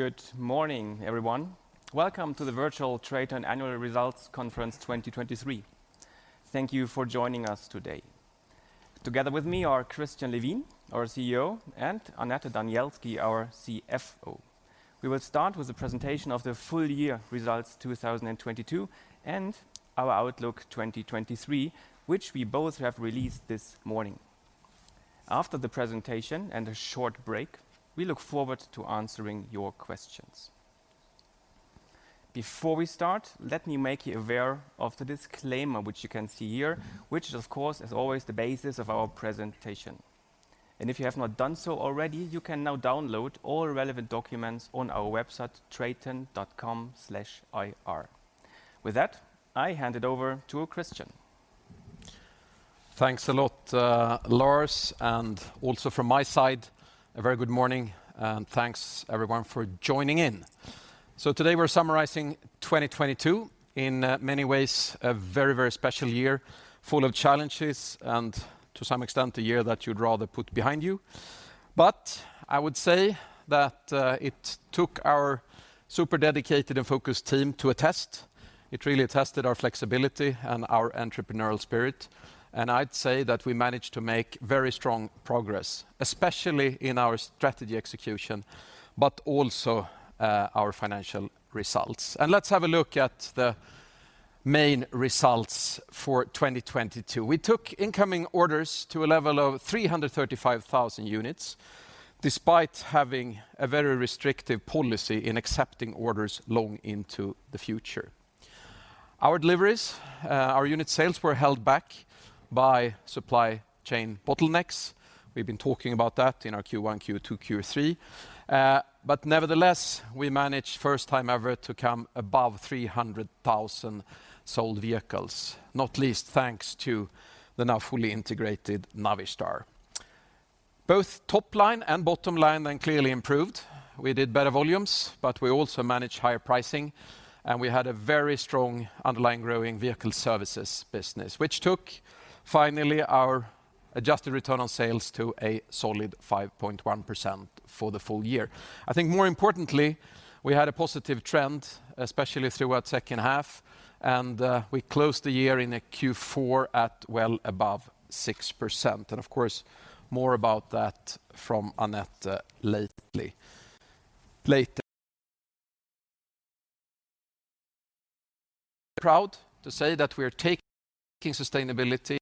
Good morning, everyone. Welcome to the virtual TRATON Annual Results Conference 2023. Thank you for joining us today. Together with me are Christian Levin, our CEO, and Annette Danielski, our CFO. We will start with the presentation of the full year results 2022, and our outlook 2023, which we both have released this morning. After the presentation and a short break, we look forward to answering your questions. Before we start, let me make you aware of the disclaimer which you can see here, which of course is always the basis of our presentation. If you have not done so already, you can now download all relevant documents on our website, traton.com/ir. With that, I hand it over to Christian. Thanks a lot, Lars, also from my side, a very good morning, and thanks everyone for joining in. Today we're summarizing 2022. In many ways, a very, very special year, full of challenges and to some extent the year that you'd rather put behind you. I would say that it took our super dedicated and focused team to a test. It really tested our flexibility and our entrepreneurial spirit. I'd say that we managed to make very strong progress, especially in our strategy execution, but also, our financial results. Let's have a look at the main results for 2022. We took incoming orders to a level of 335,000 units, despite having a very restrictive policy in accepting orders long into the future. Our deliveries, our unit sales were held back by supply chain bottlenecks. We've been talking about that in our Q1, Q2, Q3. Nevertheless, we managed first time ever to come above 300,000 sold vehicles, not least thanks to the now fully integrated Navistar. Both top line and bottom line clearly improved. We did better volumes, but we also managed higher pricing, and we had a very strong underlying growing vehicle services business, which took finally our adjusted return on sales to a solid 5.1% for the full year. I think more importantly, we had a positive trend, especially throughout second half, we closed the year in a Q4 at well above 6%. Of course, more about that from Annette lately, later. Proud to say that we are taking sustainability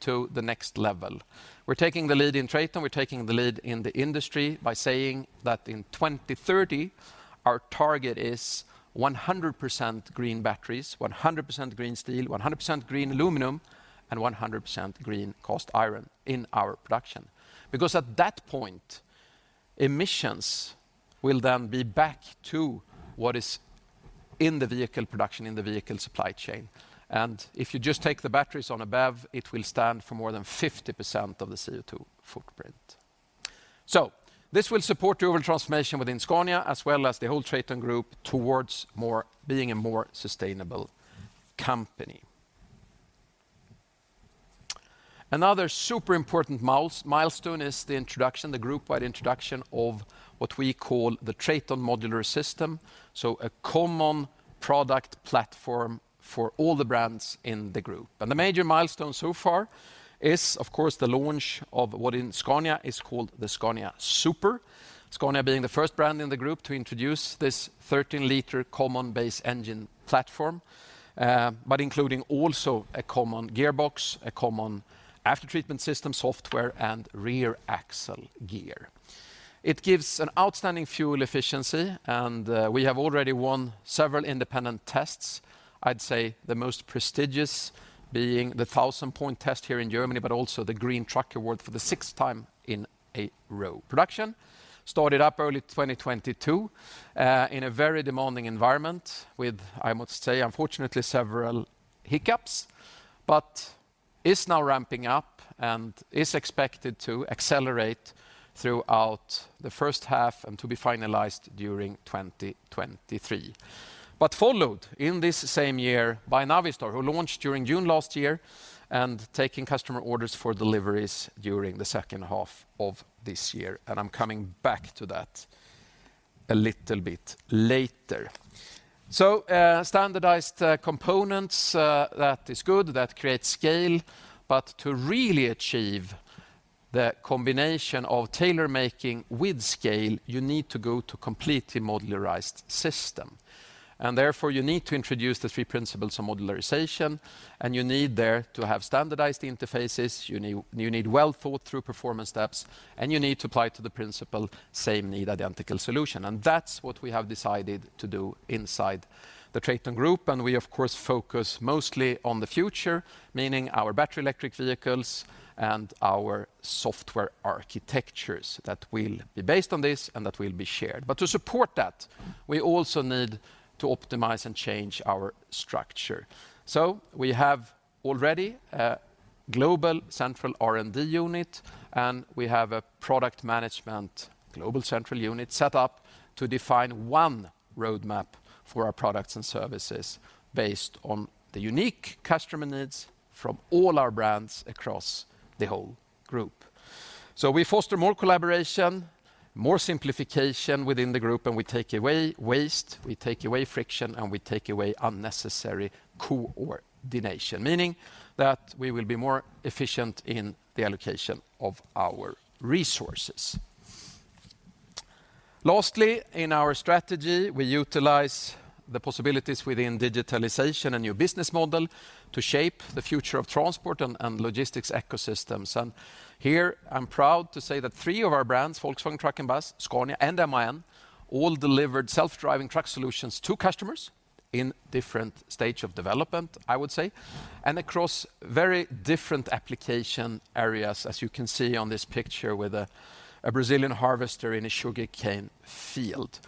to the next level. We're taking the lead in TRATON, we're taking the lead in the industry by saying that in 2030, our target is 100% green batteries, 100% green steel, 100% green aluminum, and 100% green cast iron in our production. At that point, emissions will then be back to what is in the vehicle production, in the vehicle supply chain. If you just take the batteries on a BEV, it will stand for more than 50% of the CO2 footprint. This will support the overall transformation within Scania, as well as the whole TRATON GROUP towards being a more sustainable company. Another super important milestone is the introduction, the group-wide introduction of what we call the TRATON Modular System, so a common product platform for all the brands in the group. The major milestone so far is, of course, the launch of what in Scania is called the Scania Super. Scania being the first brand in the group to introduce this 13-liter Common Base Engine platform, but including also a common gearbox, a common aftertreatment system software, and rear axle gear. It gives an outstanding fuel efficiency, and we have already won several independent tests. I'd say the most prestigious being the 1000 Points Test here in Germany, but also the Green Truck award for the sixth time in a row. Production started up early 2022, in a very demanding environment with, I must say, unfortunately several hiccups, but is now ramping up and is expected to accelerate throughout the first half and to be finalized during 2023. Followed in this same year by Navistar, who launched during June last year and taking customer orders for deliveries during the second half of this year. I'm coming back to that a little bit later. Standardized components, that is good, that creates scale. To really achieve the combination of tailor-making with scale, you need to go to completely modularized system. Therefore, you need to introduce the three principles of modularization, and you need well-thought-through performance steps, and you need to apply to the principle, same need, identical solution. That's what we have decided to do inside the TRATON Group, and we of course, focus mostly on the future, meaning our battery electric vehicles and our software architectures that will be based on this and that will be shared. To support that, we also need to optimize and change our structure. We have already a global central R&D unit, and we have a product management global central unit set up to define one roadmap for our products and services based on the unique customer needs from all our brands across the whole group. We foster more collaboration, more simplification within the group, and we take away waste, we take away friction, and we take away unnecessary coordination, meaning that we will be more efficient in the allocation of our resources. Lastly, in our strategy, we utilize the possibilities within digitalization and new business model to shape the future of transport and logistics ecosystems. Here I'm proud to say that three of our brands, Volkswagen Truck & Bus, Scania, and MAN, all delivered self-driving truck solutions to customers in different stage of development, I would say, and across very different application areas, as you can see on this picture with a Brazilian harvester in a sugarcane field.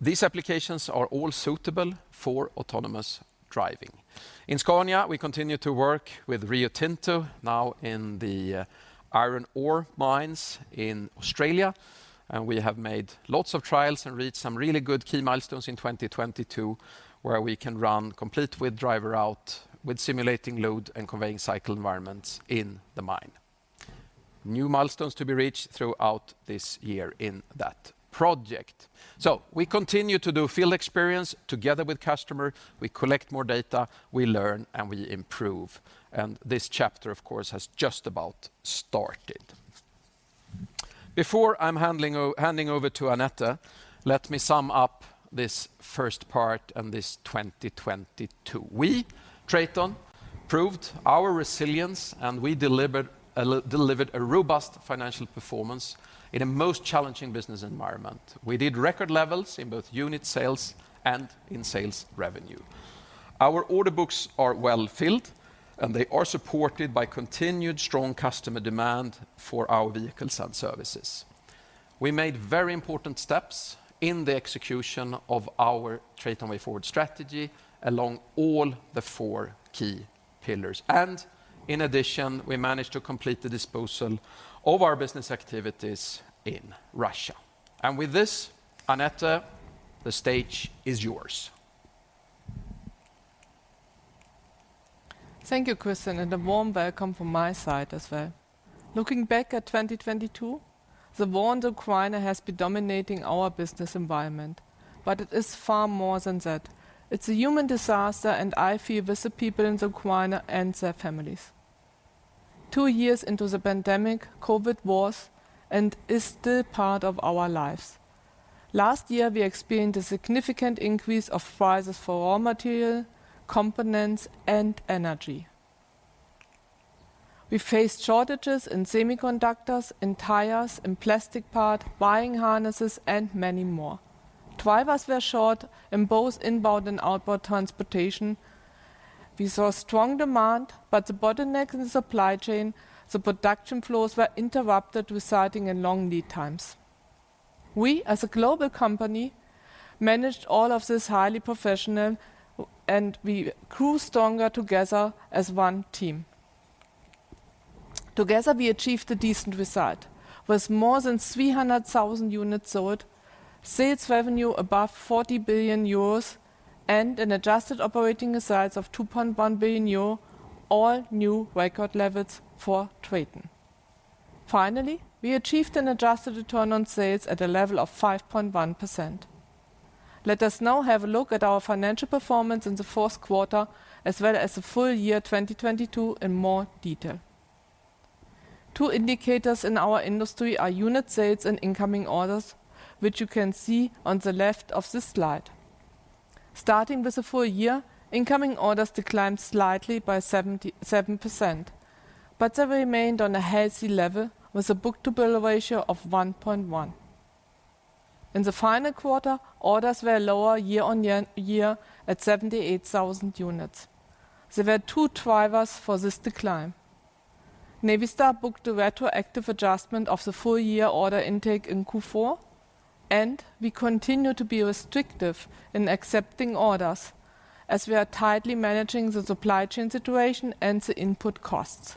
These applications are all suitable for autonomous driving. In Scania, we continue to work with Rio Tinto now in the iron ore mines in Australia, and we have made lots of trials and reached some really good key milestones in 2022, where we can run complete with driver out, with simulating load and conveying cycle environments in the mine. New milestones to be reached throughout this year in that project. We continue to do field experience together with customer. We collect more data, we learn, and we improve. This chapter, of course, has just about started. Before I'm handing over to Annette, let me sum up this first part and this 2022. We, TRATON, proved our resilience, and we delivered a robust financial performance in a most challenging business environment. We did record levels in both unit sales and in sales revenue. Our order books are well-filled, and they are supported by continued strong customer demand for our vehicles and services. We made very important steps in the execution of our TRATON Way Forward strategy along all the four key pillars. In addition, we managed to complete the disposal of our business activities in Russia. With this, Annette, the stage is yours. Thank you, Christian. A warm welcome from my side as well. Looking back at 2022, the war in Ukraine has been dominating our business environment, but it is far more than that. It's a human disaster, and I feel with the people in Ukraine and their families. Two years into the pandemic, COVID was and is still part of our lives. Last year, we experienced a significant increase of prices for raw material, components, and energy. We faced shortages in semiconductors and tires and plastic part, wiring harnesses, and many more. Drivers were short in both inbound and outbound transportation. We saw strong demand, but the bottleneck in the supply chain, the production flows were interrupted, resulting in long lead times. We, as a global company, managed all of this highly professional, and we grew stronger together as one team. Together, we achieved a decent result. With more than 300,000 units sold, sales revenue above 40 billion euros, and an adjusted operating result of 2.1 billion euros, all new record levels for TRATON. We achieved an adjusted return on sales at a level of 5.1%. Let us now have a look at our financial performance in the fourth quarter as well as the full year 2022 in more detail. Two indicators in our industry are unit sales and incoming orders, which you can see on the left of this slide. Starting with the full year, incoming orders declined slightly by 7%, but they remained on a healthy level, with a book-to-bill ratio of 1.1. In the final quarter, orders were lower year on year at 78,000 units. There were two drivers for this decline. Navistar booked a retroactive adjustment of the full year order intake in Q4. We continue to be restrictive in accepting orders as we are tightly managing the supply chain situation and the input costs.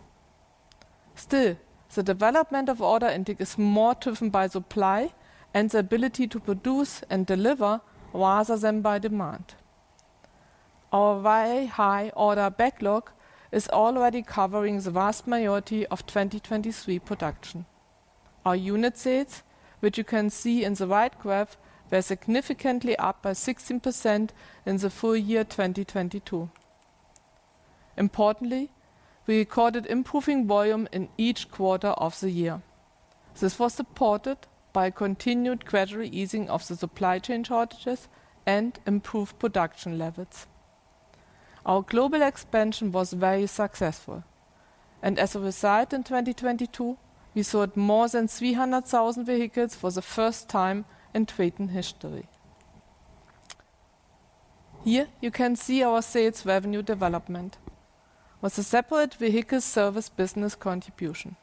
Still, the development of order intake is more driven by supply and the ability to produce and deliver rather than by demand. Our very high order backlog is already covering the vast majority of 2023 production. Our unit sales, which you can see in the right graph, were significantly up by 16% in the full year 2022. Importantly, we recorded improving volume in each quarter of the year. This was supported by continued gradual easing of the supply chain shortages and improved production levels. Our global expansion was very successful. As a result, in 2022, we sold more than 300,000 vehicles for the first time in TRATON history. Here you can see our sales revenue development with the separate vehicle service business contribution.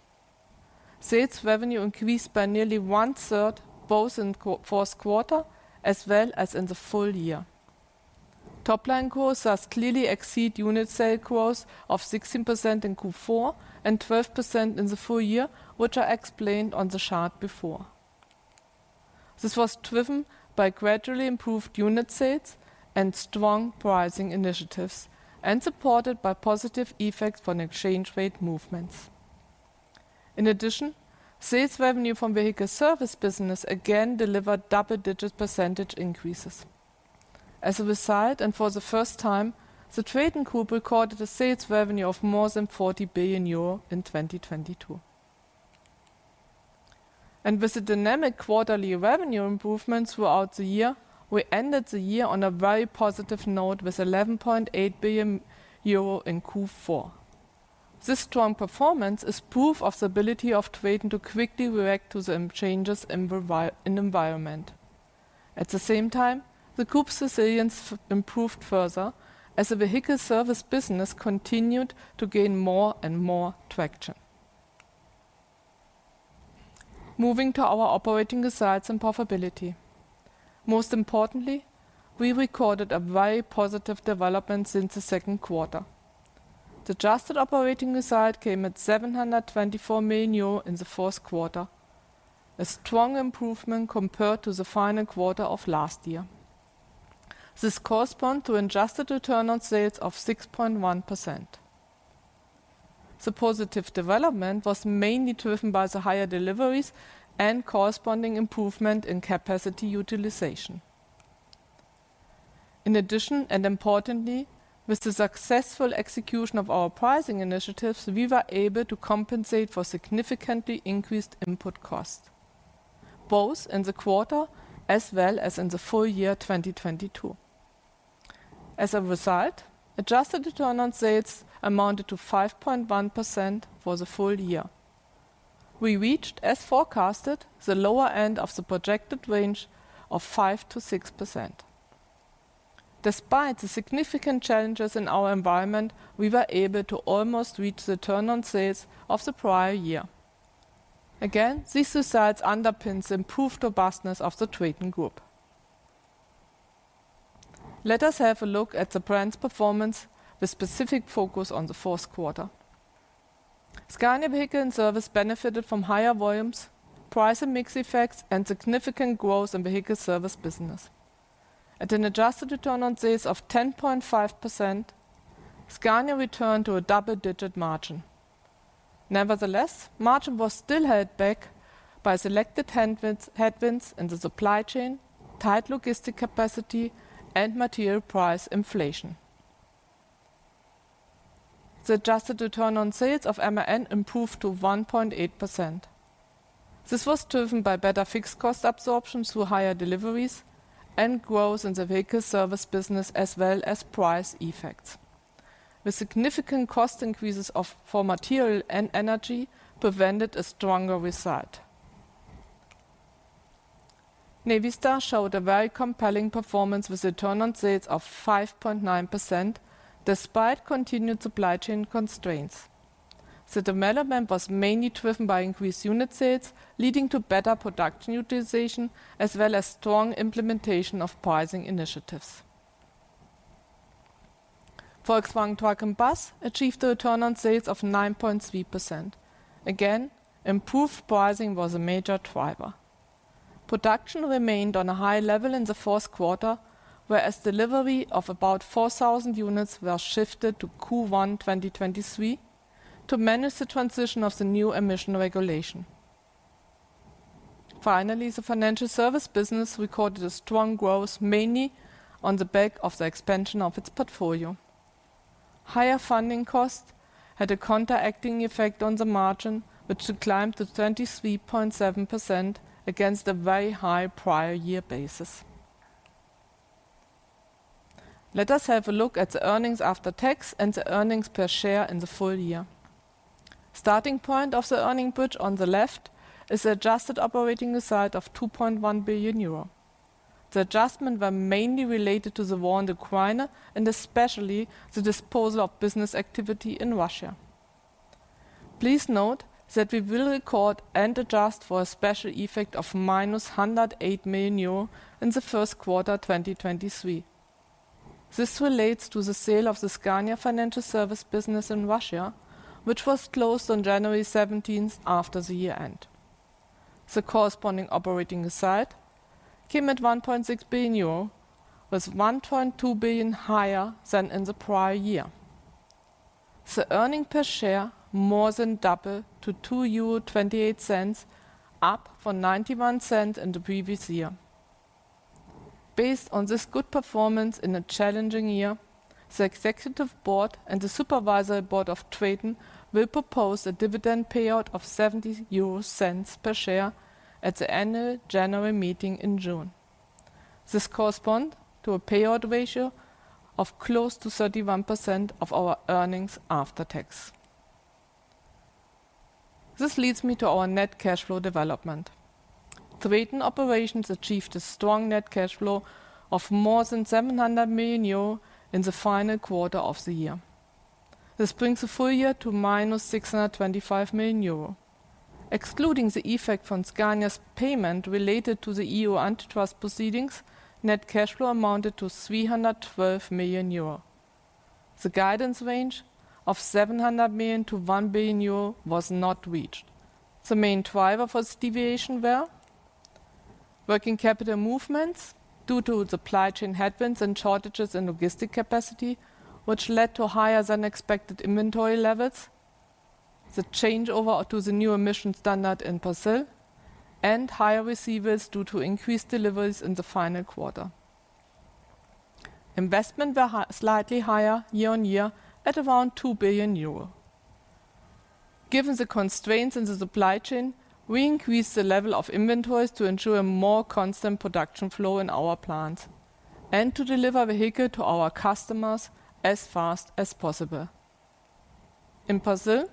Sales revenue increased by nearly 1/3, both in fourth quarter as well as in the full year. Top line growth has clearly exceed unit sale growth of 16% in Q4 and 12% in the full year, which I explained on the chart before. This was driven by gradually improved unit sales and strong pricing initiatives, and supported by positive effects from exchange rate movements. In addition, sales revenue from vehicle service business again delivered double-digit percentage increases. As a result, for the first time, the TRATON Group recorded a sales revenue of more than 40 billion euro in 2022. With the dynamic quarterly revenue improvements throughout the year, we ended the year on a very positive note with 11.8 billion euro in Q4. This strong performance is proof of the ability of TRATON to quickly react to the changes in the environment. The group's resilience improved further as the vehicle service business continued to gain more and more traction. Moving to our operating results and profitability. Most importantly, we recorded a very positive development since the second quarter. The adjusted operating result came at 724 million euro in the fourth quarter, a strong improvement compared to the final quarter of last year. This correspond to adjusted return on sales of 6.1%. The positive development was mainly driven by the higher deliveries and corresponding improvement in capacity utilization. In addition, importantly, with the successful execution of our pricing initiatives, we were able to compensate for significantly increased input costs, both in the quarter as well as in the full year 2022. As a result, adjusted return on sales amounted to 5.1% for the full year. We reached, as forecasted, the lower end of the projected range of 5%-6%. Despite the significant challenges in our environment, we were able to almost reach the return on sales of the prior year. Again, these results underpin improved robustness of the TRATON Group. Let us have a look at the brand's performance with specific focus on the fourth quarter. Scania Vehicles & Services benefited from higher volumes, price and mix effects, and significant growth in vehicle service business. At an adjusted return on sales of 10.5%, Scania returned to a double-digit margin. Nevertheless, margin was still held back by selected headwinds in the supply chain, tight logistic capacity, and material price inflation. The adjusted return on sales of MAN improved to 1.8%. This was driven by better fixed cost absorption through higher deliveries and growth in the vehicle service business as well as price effects. The significant cost increases for material and energy prevented a stronger result. Navistar showed a very compelling performance with a return on sales of 5.9% despite continued supply chain constraints. The development was mainly driven by increased unit sales, leading to better production utilization as well as strong implementation of pricing initiatives. Volkswagen Truck & Bus achieved a return on sales of 9.3%. Again, improved pricing was a major driver. Production remained on a high level in the fourth quarter, whereas delivery of about 4,000 units were shifted to Q1, 2023, to manage the transition of the new emission regulation. Finally, the financial service business recorded a strong growth mainly on the back of the expansion of its portfolio. Higher funding costs had a counteracting effect on the margin, which should climb to 23.7% against a very high prior year basis. Let us have a look at the earnings after tax and the earnings per share in the full year. Starting point of the earning bridge on the left is the adjusted operating result of 2.1 billion euro. The adjustment were mainly related to the war in Ukraine and especially the disposal of business activity in Russia. Please note that we will record and adjust for a special effect of -108 million euro in the first quarter, 2023. This relates to the sale of the Scania Financial Services business in Russia, which was closed on January 17th after the year-end. The corresponding operating result came at 1.6 billion euro, was 1.2 billion higher than in the prior year. The earning per share more than double to 2.28 euro, up from 0.91 in the previous year. Based on this good performance in a challenging year, the executive board and the supervisory board of TRATON will propose a dividend payout of 0.70 per share at the Annual General Meeting in June. This correspond to a payout ratio of close to 31% of our earnings after tax. This leads me to our net cash flow development. TRATON Operations achieved a strong net cash flow of more than 700 million euro in the final quarter of the year. This brings the full year to minus 625 million euro. Excluding the effect from Scania's payment related to the EU antitrust proceedings, net cash flow amounted to 312 million euro. The guidance range of 700 million-1 billion euro was not reached. The main driver for this deviation were working capital movements due to the supply chain headwinds and shortages in logistic capacity, which led to higher than expected inventory levels, the changeover to the new emission standard in Brazil, and higher receivables due to increased deliveries in the final quarter. Investment were slightly higher year-on-year at around 2 billion euro. Given the constraints in the supply chain, we increased the level of inventories to ensure a more constant production flow in our plants and to deliver vehicle to our customers as fast as possible. In Brazil,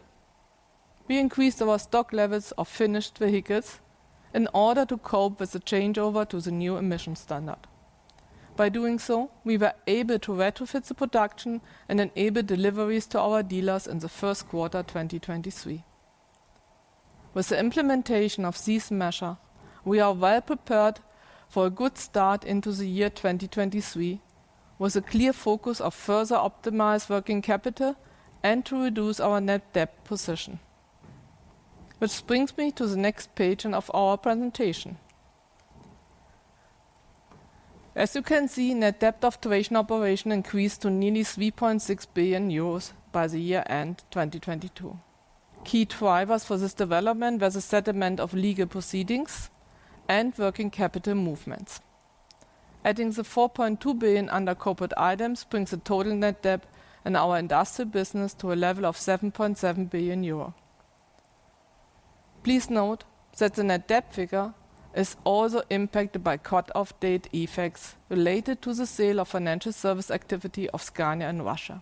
we increased our stock levels of finished vehicles in order to cope with the changeover to the new emission standard. By doing so, we were able to retrofit the production and enable deliveries to our dealers in the first quarter, 2023. With the implementation of these measure, we are well prepared for a good start into the year 2023 with a clear focus of further optimize working capital and to reduce our net debt position. Which brings me to the next page in of our presentation. As you can see, net debt of TRATON Operations increased to nearly 3.6 billion euros by the year-end 2022. Key drivers for this development was the settlement of legal proceedings and working capital movements. Adding the 4.2 billion under corporate items brings the total net debt in our industrial business to a level of 7.7 billion euro. Please note that the net debt figure is also impacted by cut-off date effects related to the sale of financial service activity of Scania and Russia.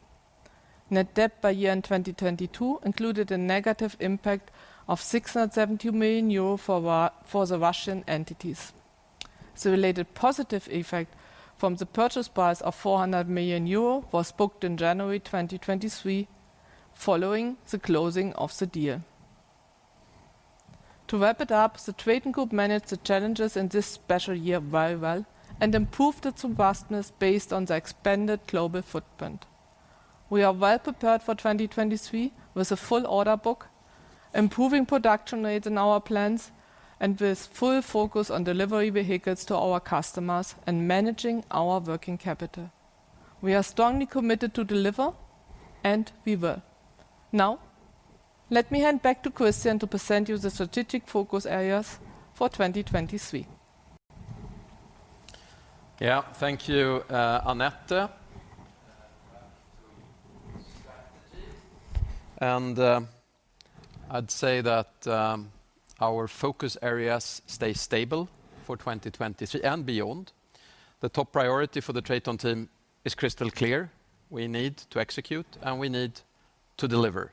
Net debt by year-end 2022 included a negative impact of 670 million euro for the Russian entities. The related positive effect from the purchase price of 400 million euro was booked in January 2023 following the closing of the deal. To wrap it up, the TRATON Group managed the challenges in this special year very well and improved its robustness based on the expanded global footprint. We are well prepared for 2023 with a full order book, improving production rates in our plants, and with full focus on delivery vehicles to our customers and managing our working capital. We are strongly committed to deliver, we will. Now, let me hand back to Christian to present you the strategic focus areas for 2023. Yeah. Thank you, Annette. Strategy. I'd say that our focus areas stay stable for 2023 and beyond. The top priority for the TRATON team is crystal clear. We need to execute, and we need to deliver.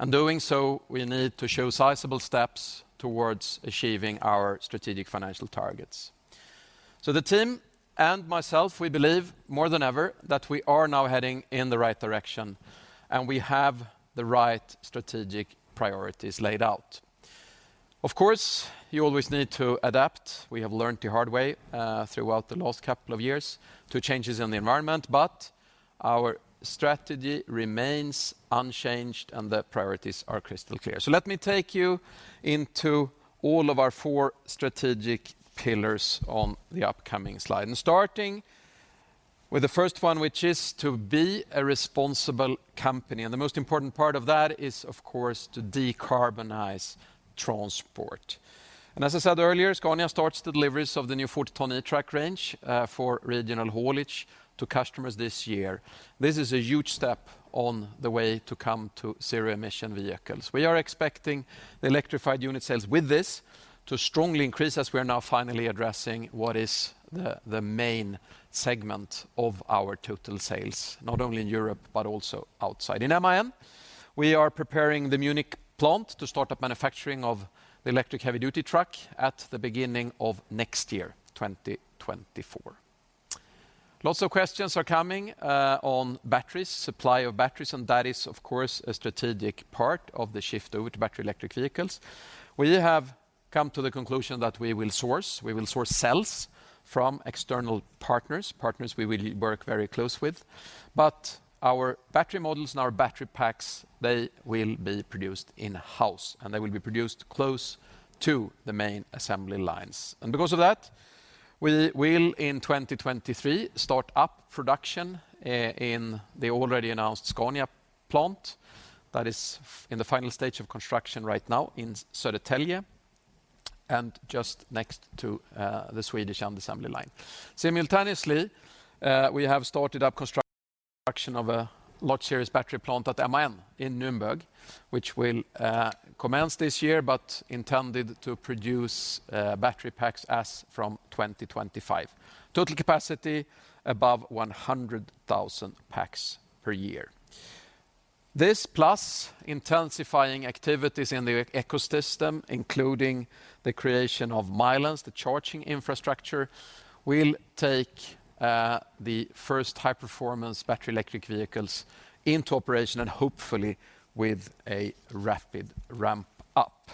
In doing so, we need to show sizable steps towards achieving our strategic financial targets. The team and myself, we believe more than ever that we are now heading in the right direction, and we have the right strategic priorities laid out. Of course, you always need to adapt, we have learned the hard way, throughout the last couple of years, to changes in the environment. Our strategy remains unchanged, and the priorities are crystal clear. Let me take you into all of our four strategic pillars on the upcoming slide. Starting with the first one, which is to be a responsible company. The most important part of that is, of course, to decarbonize transport. As I said earlier, Scania starts the deliveries of the new 40-ton e-truck range for regional haulage to customers this year. This is a huge step on the way to come to zero-emission vehicles. We are expecting the electrified unit sales with this to strongly increase as we are now finally addressing what is the main segment of our total sales, not only in Europe, but also outside. In MAN, we are preparing the Munich plant to start up manufacturing of the electric heavy-duty truck at the beginning of next year, 2024. Lots of questions are coming on batteries, supply of batteries, and that is, of course, a strategic part of the shift over to battery electric vehicles. We have come to the conclusion that we will source cells from external partners. Partners we will work very close with. Our battery models and our battery packs, they will be produced in-house, and they will be produced close to the main assembly lines. Because of that, we will in 2023 start up production in the already announced Scania plant that is in the final stage of construction right now in Södertälje and just next to the Swedish assembly line. Simultaneously, we have started up construction of a large series battery plant at MAN in Nürnberg, which will commence this year but intended to produce battery packs as from 2025. Total capacity above 100,000 packs per year. This plus intensifying activities in the ecosystem, including the creation of Milence, the charging infrastructure, will take the first high-performance battery electric vehicles into operation and hopefully with a rapid ramp up.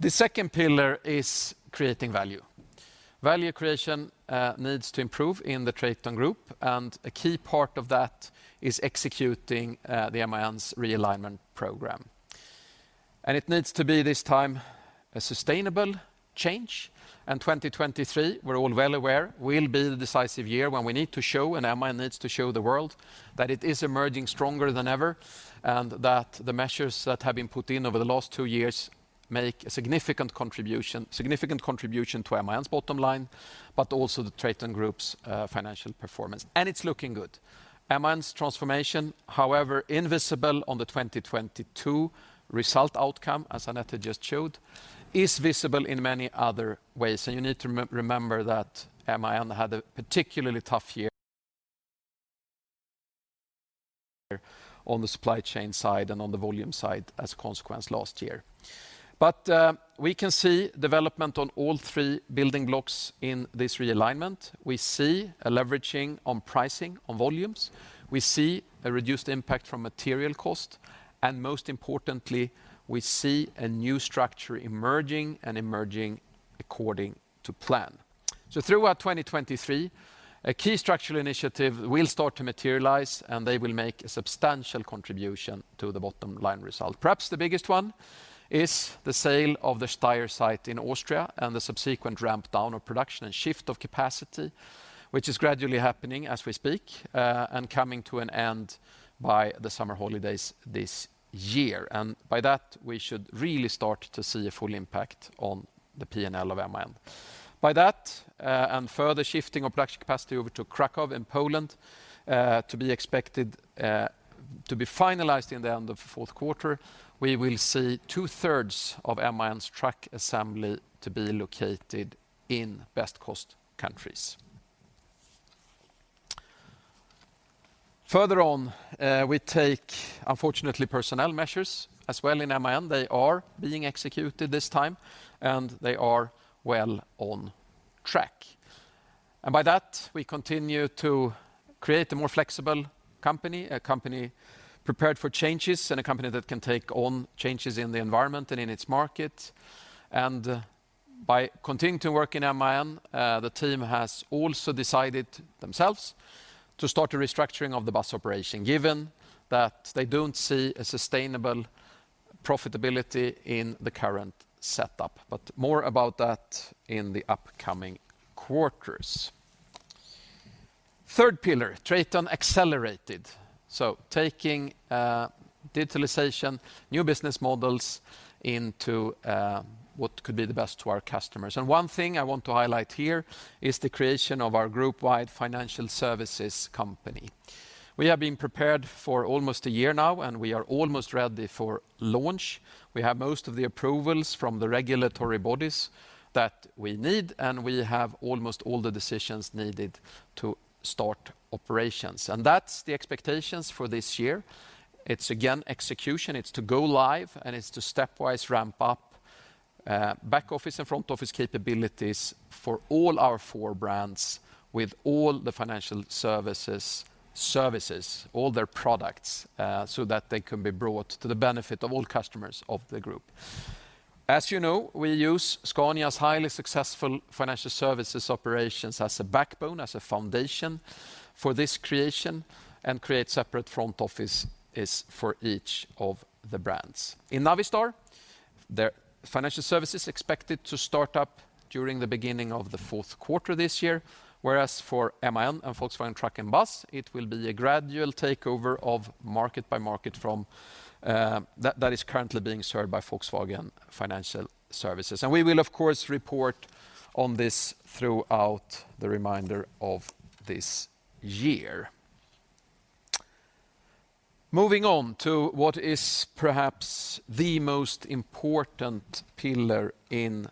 The second pillar is creating value. Value creation needs to improve in the TRATON Group, and a key part of that is executing the MAN's realignment program. It needs to be this time a sustainable change. 2023, we're all well aware, will be the decisive year when we need to show, and MAN needs to show the world, that it is emerging stronger than ever, and that the measures that have been put in over the last two years make a significant contribution to MAN's bottom line, but also the TRATON Group's financial performance. It's looking good. MAN's transformation, however invisible on the 2022 result outcome, as Annette just showed, is visible in many other ways. You need to remember that MAN had a particularly tough year on the supply chain side and on the volume side as a consequence last year. We can see development on all three building blocks in this realignment. We see a leveraging on pricing, on volumes. We see a reduced impact from material cost, and most importantly, we see a new structure emerging, and emerging according to plan. Throughout 2023, a key structural initiative will start to materialize, and they will make a substantial contribution to the bottom line result. Perhaps the biggest one is the sale of the Steyr site in Austria and the subsequent ramp down of production and shift of capacity, which is gradually happening as we speak, and coming to an end by the summer holidays this year. By that, we should really start to see a full impact on the P&L of MAN. By that, and further shifting of production capacity over to Kraków in Poland, to be expected, to be finalized in the end of the fourth quarter, we will see two-thirds of MAN's truck assembly to be located in best cost countries. Further on, we take, unfortunately, personnel measures as well in MAN. They are being executed this time, and they are well on track. By that, we continue to create a more flexible company, a company prepared for changes, and a company that can take on changes in the environment and in its market. By continuing to work in MAN, the team has also decided themselves to start a restructuring of the bus operation, given that they don't see a sustainable profitability in the current setup. More about that in the upcoming quarters. Third pillar, TRATON Accelerated. Taking digitalization, new business models into what could be the best to our customers. One thing I want to highlight here is the creation of our group-wide financial services company. We have been prepared for almost a year now, and we are almost ready for launch. We have most of the approvals from the regulatory bodies that we need. We have almost all the decisions needed to start operations. That's the expectations for this year. It's again, execution. It's to go live, and it's to stepwise ramp up back-office and front-office capabilities for all our four brands with all the financial services, all their products, so that they can be brought to the benefit of all customers of the group. As you know, we use Scania's highly successful financial services operations as a backbone, as a foundation for this creation, and create separate front office for each of the brands. In Navistar, their financial services expected to start up during the beginning of the fourth quarter this year, whereas for MAN and Volkswagen Truck & Bus, it will be a gradual takeover of market by market from that is currently being served by Volkswagen Financial Services. We will of course, report on this throughout the remainder of this year. Moving on to what is perhaps the most important pillar in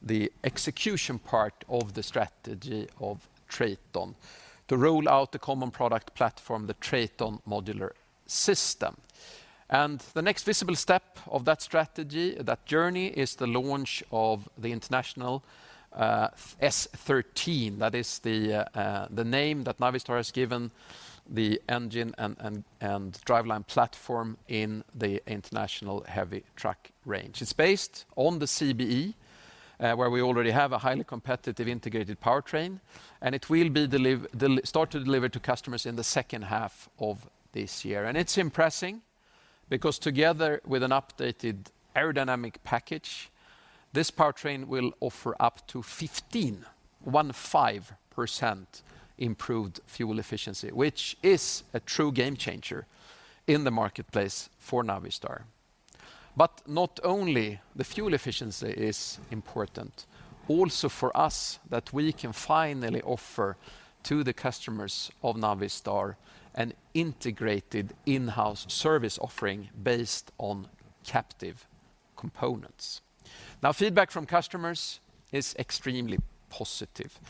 the execution part of the strategy of TRATON, to roll out the common product platform, the TRATON Modular System. The next visible step of that strategy, that journey, is the launch of the International S13. That is the name that Navistar has given the engine and driveline platform in the International heavy truck range. It's based on the CBE, where we already have a highly competitive integrated powertrain, and it will start to deliver to customers in the second half of this year. It's impressing because together with an updated aerodynamic package, this powertrain will offer up to 15% improved fuel efficiency, which is a true game changer in the marketplace for Navistar. Not only the fuel efficiency is important, also for us that we can finally offer to the customers of Navistar an integrated in-house service offering based on captive components. Now, feedback from customers is extremely positive,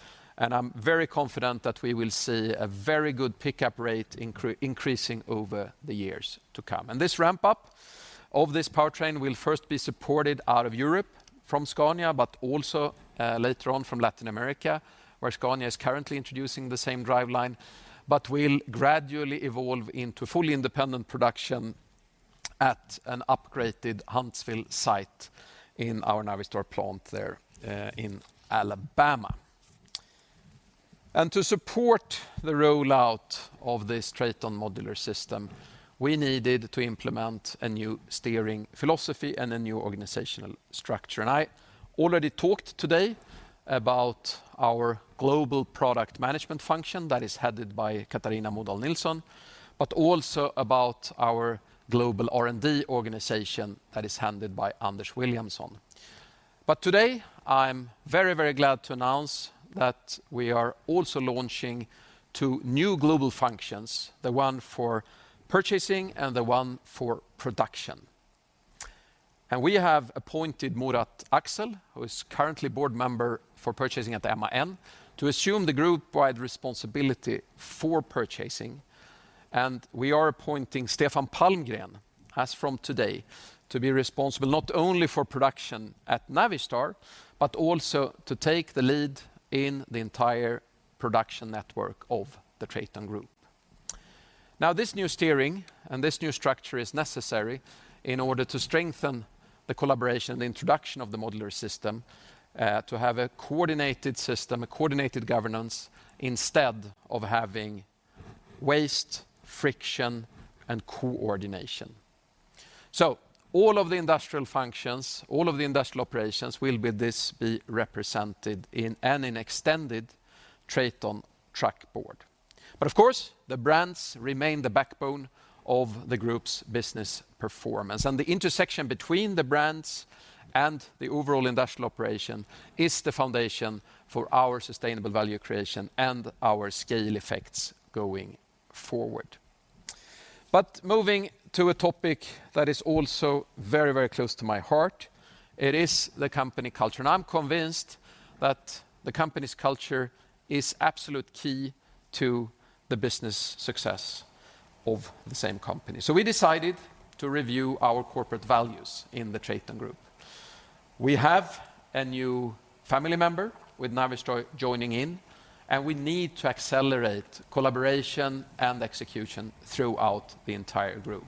and I'm very confident that we will see a very good pickup rate increasing over the years to come. This ramp-up of this powertrain will first be supported out of Europe from Scania, but also later on from Latin America, where Scania is currently introducing the same driveline, but will gradually evolve into fully independent production at an upgraded Huntsville site in our Navistar plant there in Alabama. To support the rollout of this TRATON Modular System, we needed to implement a new steering philosophy and a new organizational structure. I already talked today about our global product management function that is headed by Catharina Modahl Nilsson, but also about our global R&D organization that is handled by Anders Williamsson. Today, I'm very, very glad to announce that we are also launching two new global functions, the one for purchasing and the one for production. We have appointed Murat Aksel, who is currently board member for purchasing at MAN, to assume the group-wide responsibility for purchasing. We are appointing Stefan Palmgren as from today to be responsible not only for production at Navistar, but also to take the lead in the entire production network of the TRATON Group. This new steering and this new structure is necessary in order to strengthen the collaboration, the introduction of the Modular System, to have a coordinated system, a coordinated governance, instead of having waste, friction, and coordination. All of the industrial functions, all of the industrial operations will be represented in an extended TRATON truck board. Of course, the brands remain the backbone of the group's business performance. The intersection between the brands and the overall industrial operation is the foundation for our sustainable value creation and our scale effects going forward. Moving to a topic that is also very, very close to my heart, it is the company culture. We decided to review our corporate values in the TRATON GROUP. We have a new family member with Navistar joining in, and we need to accelerate collaboration and execution throughout the entire group.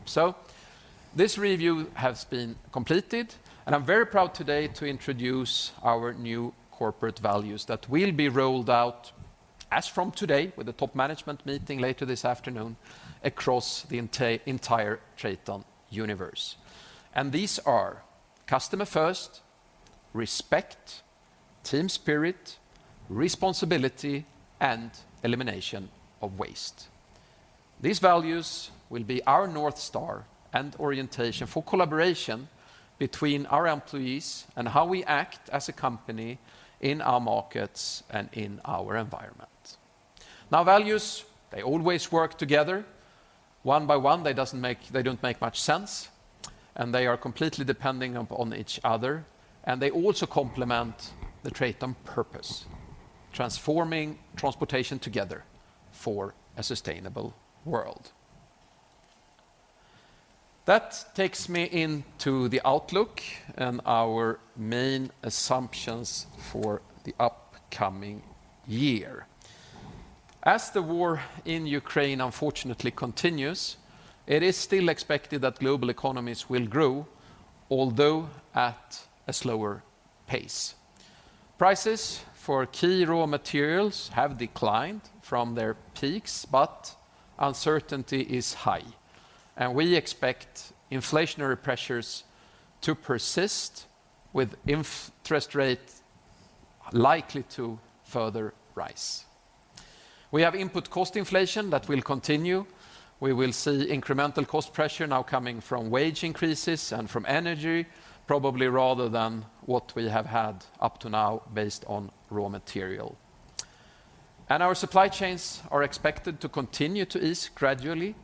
This review has been completed, and I'm very proud today to introduce our new corporate values that will be rolled out as from today with the top management meeting later this afternoon across the entire TRATON universe. These are customer first, respect, team spirit, responsibility, and elimination of waste. These values will be our North Star and orientation for collaboration between our employees and how we act as a company in our markets and in our environment. Values, they always work together. One by one, they don't make much sense, and they are completely depending upon each other. They also complement the TRATON purpose, transforming transportation together for a sustainable world. That takes me into the outlook and our main assumptions for the upcoming year. As the war in Ukraine, unfortunately, continues, it is still expected that global economies will grow, although at a slower pace. Prices for key raw materials have declined from their peaks, but uncertainty is high. We expect inflationary pressures to persist with interest rate likely to further rise. We have input cost inflation that will continue. We will see incremental cost pressure now coming from wage increases and from energy, probably rather than what we have had up to now based on raw material. Our supply chains are expected to continue to ease gradually,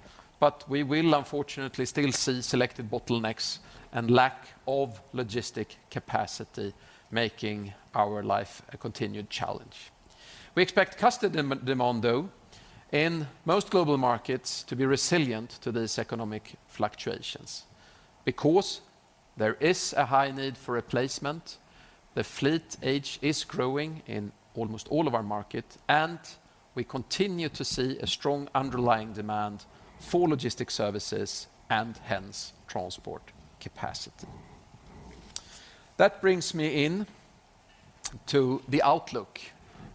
but we will unfortunately still see selected bottlenecks and lack of logistic capacity making our life a continued challenge. We expect customer de-demand, though, in most global markets to be resilient to this economic fluctuations because there is a high need for replacement. The fleet age is growing in almost all of our market, and we continue to see a strong underlying demand for logistic services and hence transport capacity. That brings me in to the outlook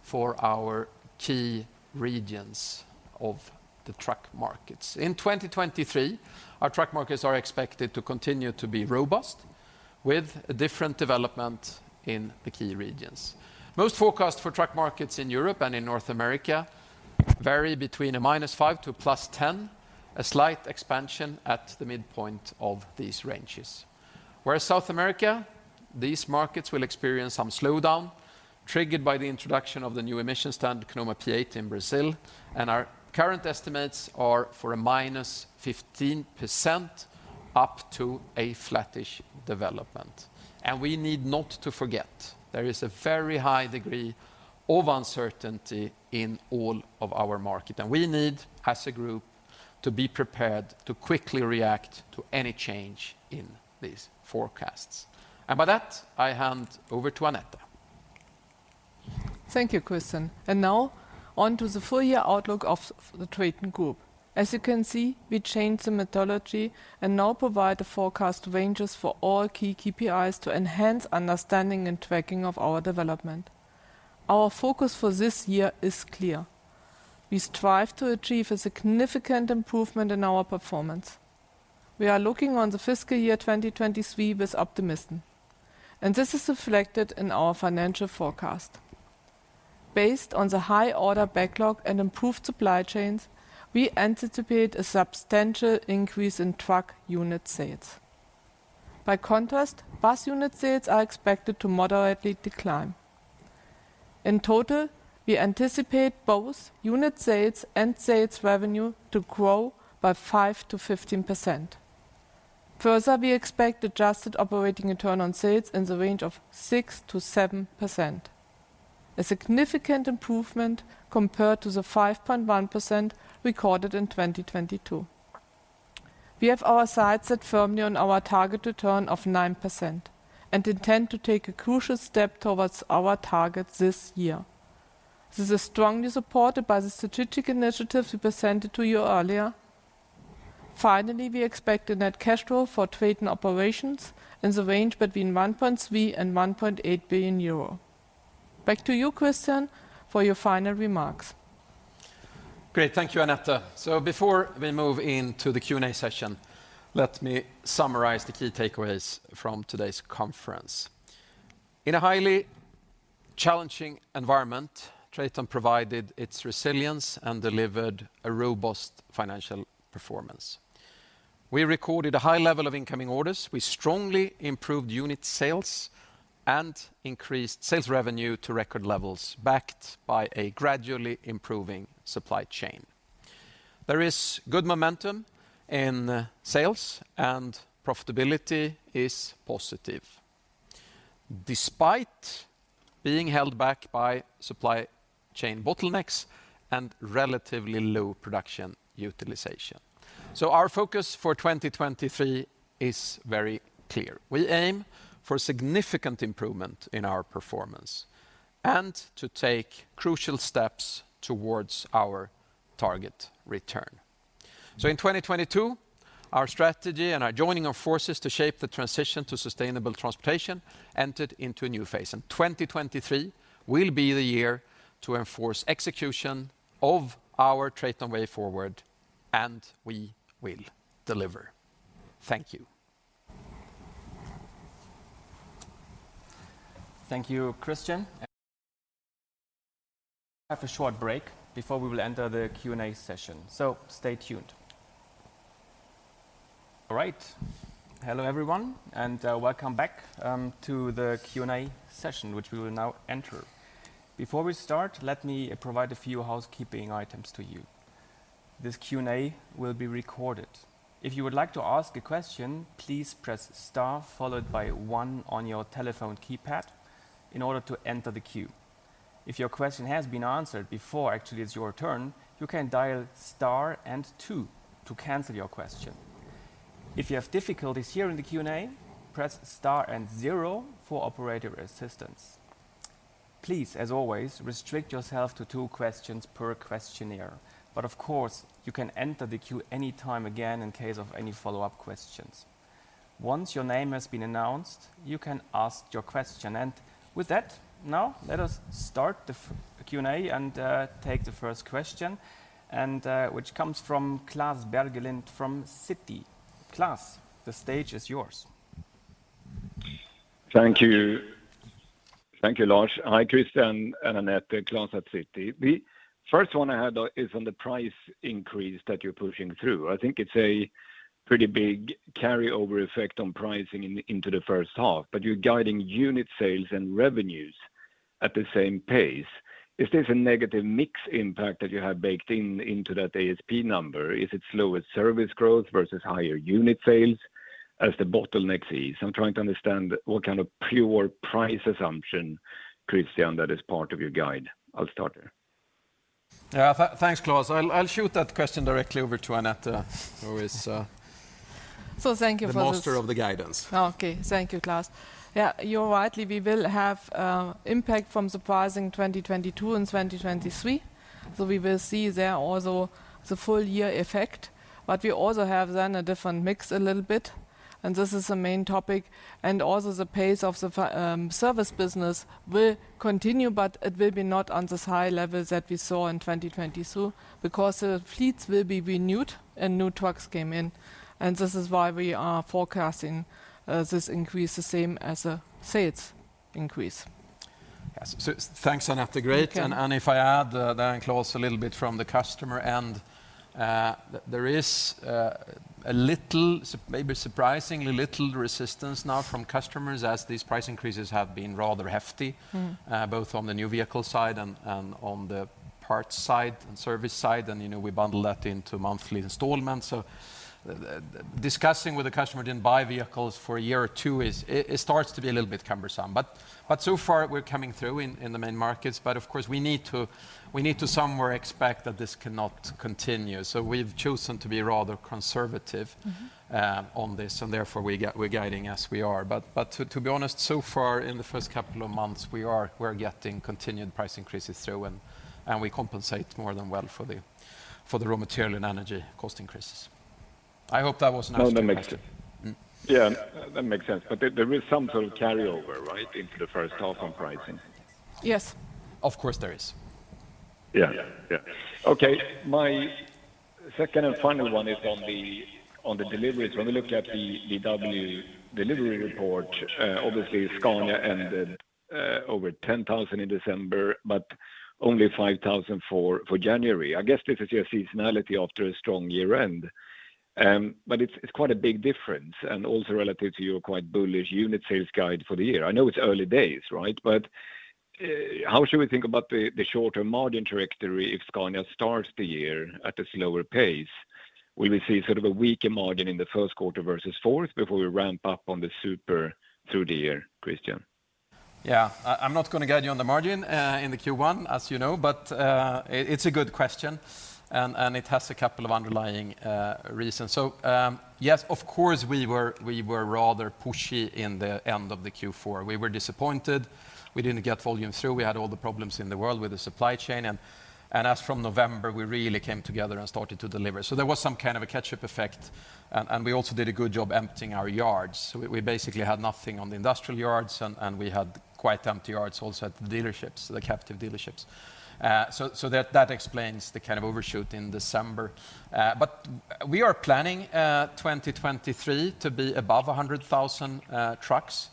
for our key regions of the truck markets. In 2023, our truck markets are expected to continue to be robust with a different development in the key regions. Most forecast for truck markets in Europe and in North America vary between a -5% to +10%, a slight expansion at the midpoint of these ranges. Whereas South America, these markets will experience some slowdown, triggered by the introduction of the new emission standard, PROCONVE P-8 in Brazil. Our current estimates are for a -15% up to a flattish development. We need not to forget, there is a very high degree of uncertainty in all of our market. We need, as a group, to be prepared to quickly react to any change in these forecasts. By that, I hand over to Annette. Thank you, Christian. Now on to the full year outlook of the TRATON GROUP. As you can see, we changed the methodology and now provide the forecast ranges for all key KPIs to enhance understanding and tracking of our development. Our focus for this year is clear. We strive to achieve a significant improvement in our performance. We are looking on the fiscal year 2023 with optimism, and this is reflected in our financial forecast. Based on the high order backlog and improved supply chains, we anticipate a substantial increase in truck unit sales. By contrast, bus unit sales are expected to moderately decline. In total, we anticipate both unit sales and sales revenue to grow by 5%-15%. Further, we expect adjusted operating return on sales in the range of 6%-7%, a significant improvement compared to the 5.1% recorded in 2022. We have our sights set firmly on our target return of 9% and intend to take a crucial step towards our target this year. This is strongly supported by the strategic initiatives we presented to you earlier. Finally, we expect a net cash flow for TRATON Operations in the range between 1.3 billion and 1.8 billion euro. Back to you, Christian, for your final remarks. Great. Thank you, Annette. Before we move into the Q&A session, let me summarize the key takeaways from today's conference. In a highly challenging environment, TRATON provided its resilience and delivered a robust financial performance. We recorded a high level of incoming orders. We strongly improved unit sales and increased sales revenue to record levels, backed by a gradually improving supply chain. There is good momentum in sales, and profitability is positive despite being held back by supply chain bottlenecks and relatively low production utilization. Our focus for 2023 is very clear. We aim for significant improvement in our performance and to take crucial steps towards our target return. In 2022, our strategy and our joining of forces to shape the transition to sustainable transportation entered into a new phase. 2023 will be the year to enforce execution of our TRATON Way Forward. We will deliver. Thank you. Thank you, Christian. Have a short break before we will enter the Q&A session. Stay tuned. All right. Hello, everyone, welcome back to the Q&A session, which we will now enter. Before we start, let me provide a few housekeeping items to you. This Q&A will be recorded. If you would like to ask a question, please press star followed by one on your telephone keypad in order to enter the queue. If your question has been answered before actually it's your turn, you can dial star and two to cancel your question. If you have difficulties hearing the Q&A, press star and zero for operator assistance. Please, as always, restrict yourself to two questions per questionnaire. Of course, you can enter the queue any time again in case of any follow-up questions. Once your name has been announced, you can ask your question. With that, now let us start the Q&A and take the first question and which comes from Klas Bergelind from Citi. Klas, the stage is yours. Thank you. Thank you, Lars. Hi, Christian and Annette. Klas at Citi. The first one I had is on the price increase that you're pushing through. I think it's a pretty big carryover effect on pricing in, into the first half, but you're guiding unit sales and revenues at the same pace. Is this a negative mix impact that you have baked in, into that ASP number? Is it slower service growth versus higher unit sales as the bottleneck ease? I'm trying to understand what kind of pure price assumption, Christian, that is part of your guide. I'll start there. Yeah. Thanks, Klas. I'll shoot that question directly over to Annette, who is, Thank you for this. the master of the guidance. Okay. Thank you, Klas. Yeah, you're right. We will have impact from the pricing 2022 and 2023. We will see there also the full year effect. We also have then a different mix a little bit, and this is the main topic. Also the pace of the service business will continue, but it will be not on this high level that we saw in 2022 because the fleets will be renewed and new trucks came in, and this is why we are forecasting this increase the same as the sales increase. Yes. Thanks, Annette. Great. You can- If I add, then Klas a little bit from the customer end. There is a little, maybe surprisingly little resistance now from customers as these price increases have been rather hefty... Mm-hmm both on the new vehicle side and on the parts side and service side. You know, we bundle that into monthly installments. Discussing with the customer didn't buy vehicles for a year or two, it starts to be a little bit cumbersome. But so far we're coming through in the main markets. Of course we need to somewhere expect that this cannot continue. We've chosen to be rather conservative. Mm-hmm on this. Therefore, we're guiding as we are. To be honest, so far in the first couple of months, we're getting continued price increases through and we compensate more than well for the raw material and energy cost increases. I hope that was a nice question. No, that makes sense. Mm-hmm. Yeah, that makes sense. There is some sort of carryover, right, into the first half on pricing? Yes. Of course there is. Yeah. Okay. My second and final one is on the deliveries. When we look at the VW delivery report, obviously Scania ended over 10,000 in December, but only 5,000 for January. I guess this is your seasonality after a strong year end. But it's quite a big difference and also relative to your quite bullish unit sales guide for the year. I know it's early days, right? How should we think about the shorter margin trajectory if Scania starts the year at a slower pace? Will we see sort of a weaker margin in the first quarter versus fourth before we ramp up on the Scania Super through the year, Christian? I'm not gonna guide you on the margin in the Q1, as you know, but it's a good question and it has a couple of underlying reasons. Yes, of course, we were rather pushy in the end of the Q4. We were disappointed we didn't get volume through. We had all the problems in the world with the supply chain and as from November, we really came together and started to deliver. There was some kind of a catch-up effect and we also did a good job emptying our yards. We basically had nothing on the industrial yards and we had quite empty yards also at the dealerships, the captive dealerships. That explains the kind of overshoot in December. We are planning 2023 to be above 100,000 trucks.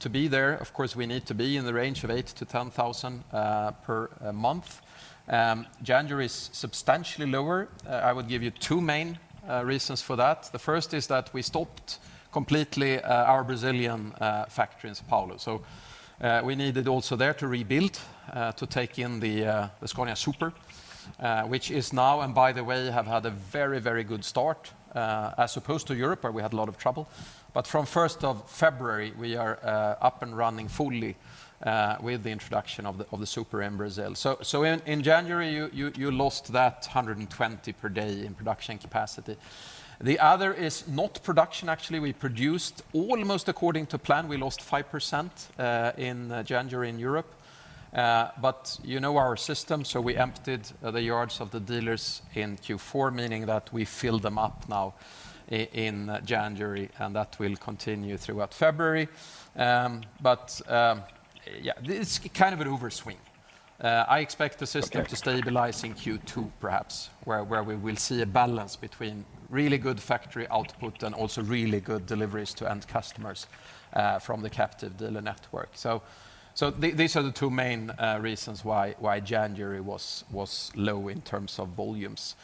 To be there, of course, we need to be in the range of 8,000-10,000 per month. January is substantially lower. I would give you two main reasons for that. The first is that we stopped completely our Brazilian factory in São Paulo. We needed also there to rebuild, to take in the Scania Super, which is now and by the way, have had a very, very good start, as opposed to Europe, where we had a lot of trouble. From first of February, we are up and running fully with the introduction of the Super in Brazil. In January, you lost that 120 per day in production capacity. The other is not production. Actually, we produced almost according to plan. We lost 5% in January in Europe. You know our system, so we emptied the yards of the dealers in Q4, meaning that we fill them up now in January, and that will continue throughout February. Yeah, this is kind of an overswing. I expect the system- Okay to stabilize in Q2, perhaps, where we will see a balance between really good factory output and also really good deliveries to end customers from the captive dealer network. These are the two main reasons why January was low in terms of volumes.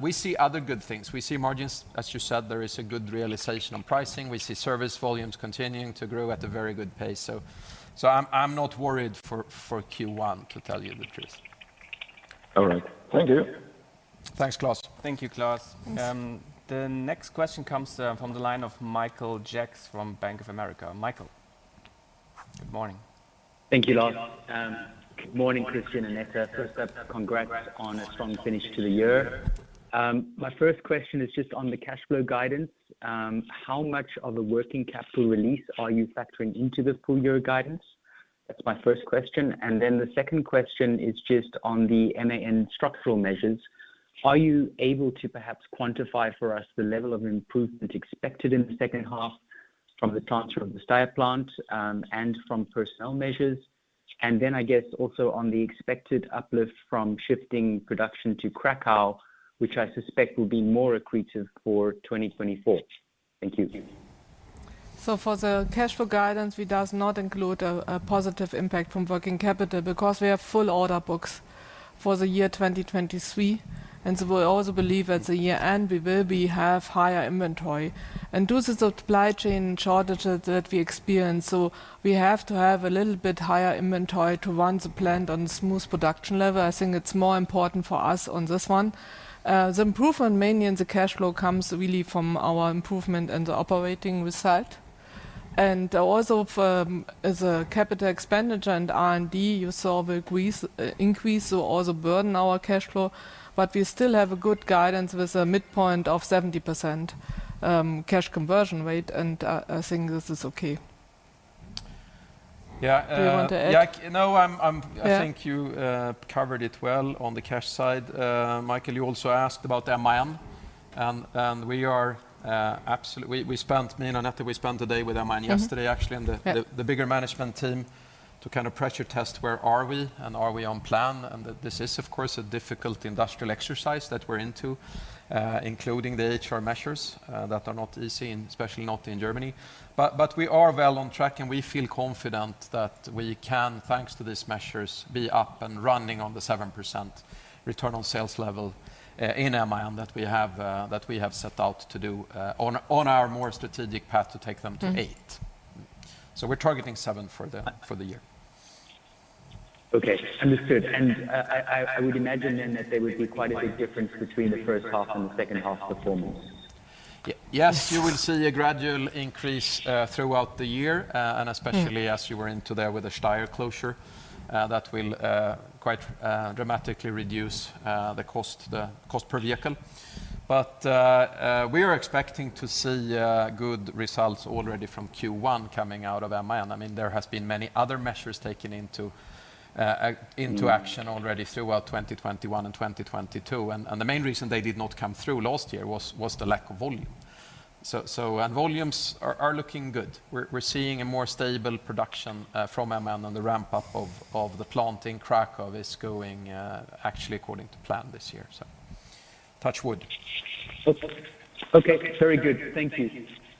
We see other good things. We see margins. As you said, there is a good realization on pricing. We see service volumes continuing to grow at a very good pace. I'm not worried for Q1, to tell you the truth. All right. Thank you. Thanks, Klas. Thank you, Klas. Thanks. The next question comes from the line of Michael Jacks from Bank of America. Michael? Good morning. Thank you, Lars. Good morning, Christian and Annette. First up, congrats on a strong finish to the year. My first question is just on the cash flow guidance. How much of a working capital release are you factoring into the full year guidance? That's my first question. The second question is just on the MAN structural measures. Are you able to perhaps quantify for us the level of improvement expected in the second half from the closure of the Steyr plant, and from personnel measures? I guess also on the expected uplift from shifting production to Kraków, which I suspect will be more accretive for 2024. Thank you. For the cash flow guidance, it does not include a positive impact from working capital because we have full order books for the year 2023. We also believe at the year-end, we will be have higher inventory. Due to the supply chain shortages that we experience, so we have to have a little bit higher inventory to run the plant on smooth production level. I think it's more important for us on this one. The improvement mainly in the cash flow comes really from our improvement in the operating result. Also for the capital expenditure and R&D, you saw the grease increase will also burden our cash flow. We still have a good guidance with a midpoint of 70%, cash conversion rate, and I think this is okay. Yeah. Do you want to add? Yeah. No, I'm Yeah I think you covered it well on the cash side. Michael, you also asked about MAN, and we are, absolutely, we spent, me and Annette, we spent the day with MAN yesterday- Mm-hmm actually. Yep the bigger management team to kind of pressure test where are we and are we on plan. This is of course, a difficult industrial exercise that we're into, including the HR measures, that are not easy, and especially not in Germany. We are well on track, and we feel confident that we can, thanks to these measures, be up and running on the 7% return on sales level in MAN that we have set out to do on our more strategic path to take them to 8%. Mm-hmm. We're targeting 7% for the, for the year. Okay. Understood. I would imagine then that there would be quite a big difference between the first half and the second half performance. Yes. You will see a gradual increase throughout the year. Mm-hmm And especially as you were into there with the Steyr closure, that will quite dramatically reduce the cost per vehicle. We are expecting to see good results already from Q1 coming out of MAN. I mean, there has been many other measures taken into. Mm-hmm Into action already throughout 2021 and 2022. The main reason they did not come through last year was the lack of volume. Volumes are looking good. We're seeing a more stable production from MAN on the ramp up of the plant in Kraków is going actually according to plan this year. Touch wood. Okay. Very good. Thank you.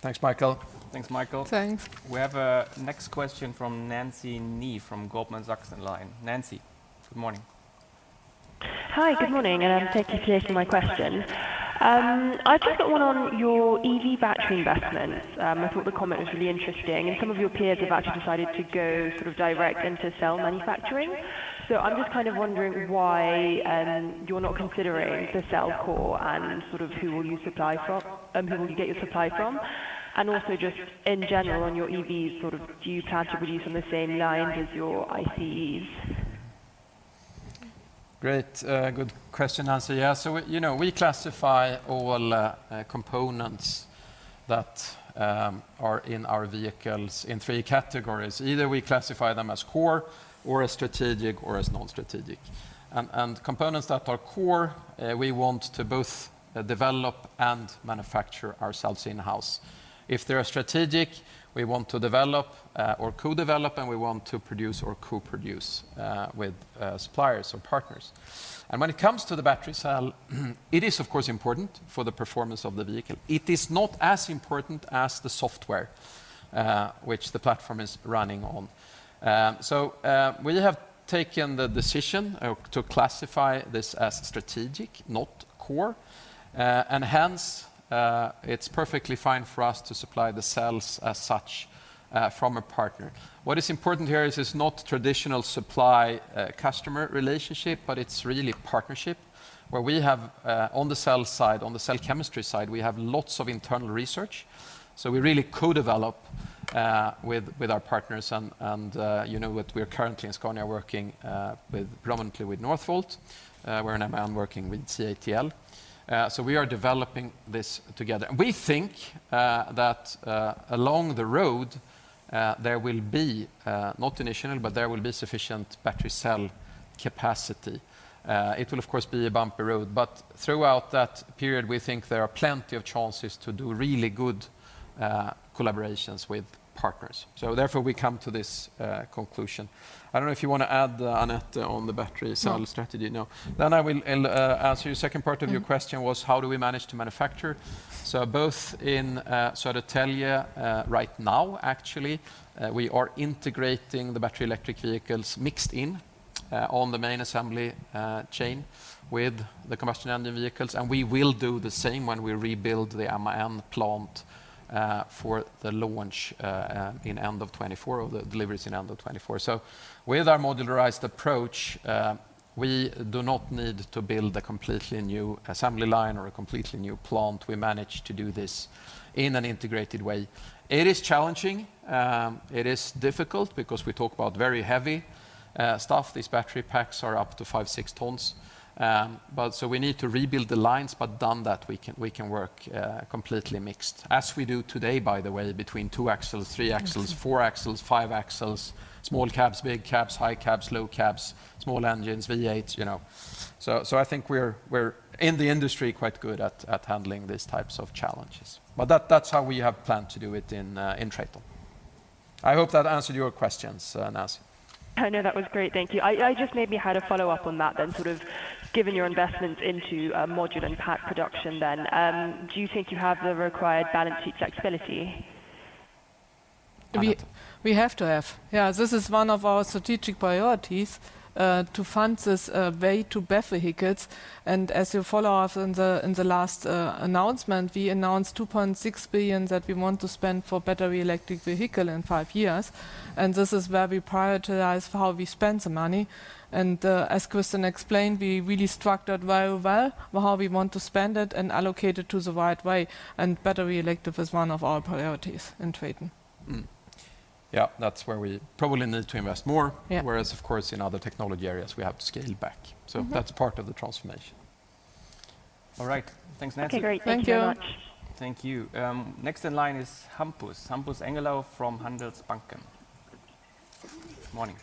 Thanks, Michael. Thanks, Michael. Thanks. We have our next question from Nancy Ni from Goldman Sachs line. Nancy, good morning. Hi. Good morning, and thank you for taking my question. I've just got one on your EV battery investments. I thought the comment was really interesting. Some of your peers have actually decided to go sort of direct into cell manufacturing. I'm just kind of wondering why you're not considering the cell core and sort of who will you get your supply from? Also just in general on your EVs, sort of do you plan to produce on the same lines as your ICEs? Great. Good question, Nancy. Yeah. You know, we classify all components that are in our vehicles in three categories. Either we classify them as core or as strategic or as non-strategic. Components that are core, we want to both develop and manufacture ourselves in-house. If they are strategic, we want to develop or co-develop, and we want to produce or co-produce with suppliers or partners. When it comes to the battery cell, it is of course important for the performance of the vehicle. It is not as important as the software which the platform is running on. We have taken the decision to classify this as strategic, not core. Hence, it's perfectly fine for us to supply the cells as such from a partner. What is important here is it's not traditional supply-customer relationship, but it's really partnership where we have, on the cell side, on the cell chemistry side, we have lots of internal research, so we really co-develop with our partners. And, you know what, we are currently in Scania working prominently with Northvolt, where in MAN working with CATL. So we are developing this together. And we think that along the road, there will be not initial, but there will be sufficient battery cell capacity. It will of course be a bumpy road, but throughout that period we think there are plenty of chances to do really good collaborations with partners. So therefore we come to this conclusion. I don't know if you want to add, Annette, on the battery cell strategy. No. No. I will answer your second part of your question was how do we manage to manufacture? Both in Södertälje, right now actually, we are integrating the battery electric vehicles mixed in on the main assembly chain with the combustion engine vehicles, and we will do the same when we rebuild the MAN plant for the launch in end of 2024 or the deliveries in end of 2024. With our modularized approach, we do not need to build a completely new assembly line or a completely new plant. We manage to do this in an integrated way. It is challenging. It is difficult because we talk about very heavy stuff. These battery packs are up to 5, 6 tons. We need to rebuild the lines, but done that we can work completely mixed. As we do today, by the way, between 2 axles, 3 axles, 4 axles, 5 axles, small cabs, big cabs, high cabs, low cabs, small engines, V8s, you know. I think we're in the industry quite good at handling these types of challenges. That's how we have planned to do it in TRATON. I hope that answered your questions, Nancy. Oh, no, that was great. Thank you. I just maybe had a follow-up on that then, sort of given your investments into module and pack production then, do you think you have the required balance sheet flexibility? We have to have. Yeah, this is one of our strategic priorities, to fund this way to BEV vehicles. As you follow us in the, in the last announcement, we announced 2.6 billion that we want to spend for battery electric vehicle in five years. This is where we prioritize how we spend the money. As Christian explained, we really structured very well how we want to spend it and allocate it to the right way, and battery electric is one of our priorities in TRATON. Yeah. That's where we probably need to invest more. Yeah. Whereas of course in other technology areas we have to scale back. Mm-hmm. That's part of the transformation. All right. Thanks, Nancy. Okay, great. Thank you very much. Thank you. Thank you. Next in line is Hampus. Hampus Engellau from Handelsbanken. Morning.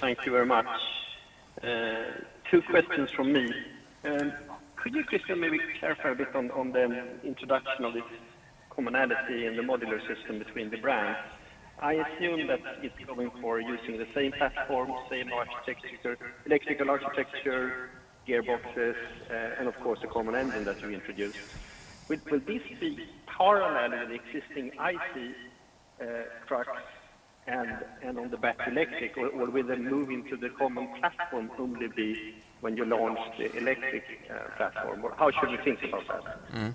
Thank you very much. two questions from me. Could you, Christian, maybe clarify a bit on the introduction of this commonality in the Modular System between the brands? I assume that it's going for using the same platform, same architecture, electrical architecture, gearboxes, and of course the Common Base Engine that you introduced. Will this be parallel to the existing ICE trucks and on the battery electric, or will the move into the common platform only be when you launch the electric platform? How should we think about that?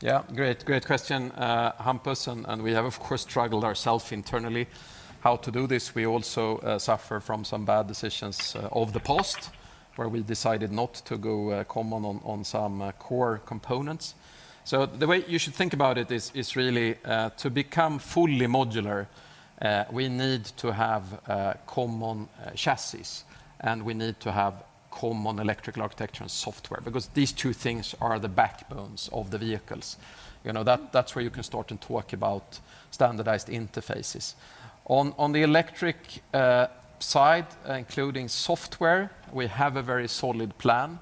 Yeah, great. Great question, Hampus, and we have of course struggled ourselves internally how to do this. We also suffer from some bad decisions of the past where we decided not to go common on some core components. The way you should think about it is really to become fully modular, we need to have common chassis, and we need to have common electrical architecture and software, because these two things are the backbones of the vehicles. You know, that's where you can start and talk about standardized interfaces. On the electric side, including software, we have a very solid plan.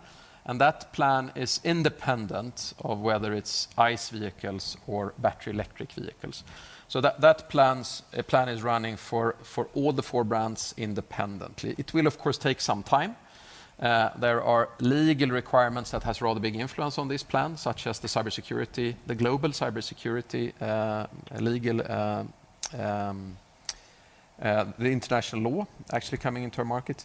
That plan is independent of whether it's ICE vehicles or battery electric vehicles. That plan is running for all the four brands independently. It will of course take some time. There are legal requirements that has rather big influence on this plan, such as the cybersecurity, the global cybersecurity, legal, the international law actually coming into our market.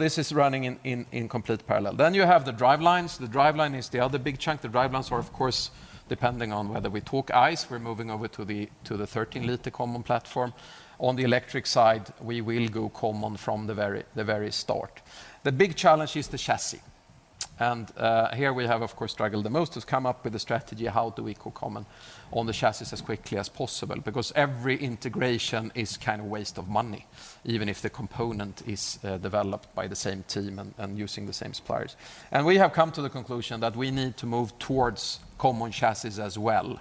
This is running in complete parallel. You have the drivelines. The driveline is the other big chunk. The drivelines are of course depending on whether we talk ICE, we're moving over to the, to the 13-liter common platform. On the electric side, we will go common from the very, the very start. The big challenge is the chassis. Here we have of course struggled the most to come up with a strategy, how do we go common on the chassis as quickly as possible? Every integration is kind of waste of money, even if the component is developed by the same team and using the same suppliers. We have come to the conclusion that we need to move towards common chassis as well,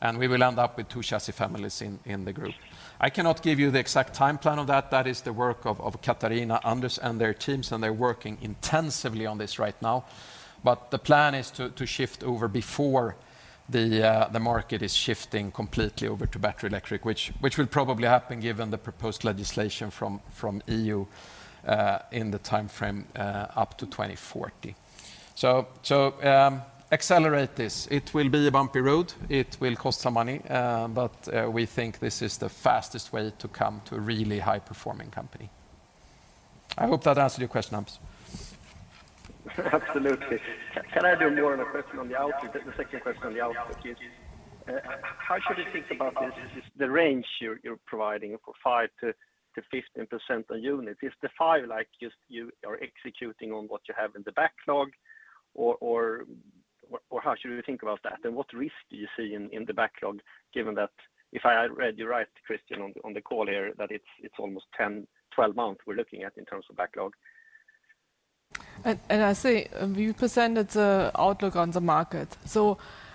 and we will end up with two chassis families in the group. I cannot give you the exact time plan of that. That is the work of Katarina, Anders, and their teams, and they're working intensively on this right now. The plan is to shift over before the market is shifting completely over to battery electric, which will probably happen given the proposed legislation from EU in the timeframe up to 2040. Accelerate this. It will be a bumpy road. It will cost some money, but we think this is the fastest way to come to a really high-performing company. I hope that answered your question, Hampus. Absolutely. Can I do more on a question on the outlook? The second question on the outlook is, how should we think about this, the range you're providing for 5%-15% on unit? Is the 5% like just you are executing on what you have in the backlog or how should we think about that? What risk do you see in the backlog given that if I read you right, Christian, on the call here, that it's almost 10-12 months we're looking at in terms of backlog? I say we presented the outlook on the market.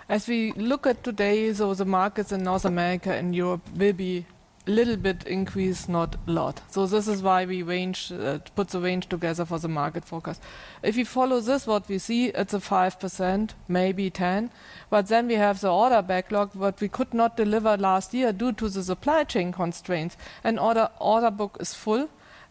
As we look at today, the markets in North America and Europe may be little bit increased, not a lot. This is why we put the range together for the market forecast. If you follow this, what we see, it's a 5%, maybe 10%. We have the order backlog what we could not deliver last year due to the supply chain constraints. Order book is full,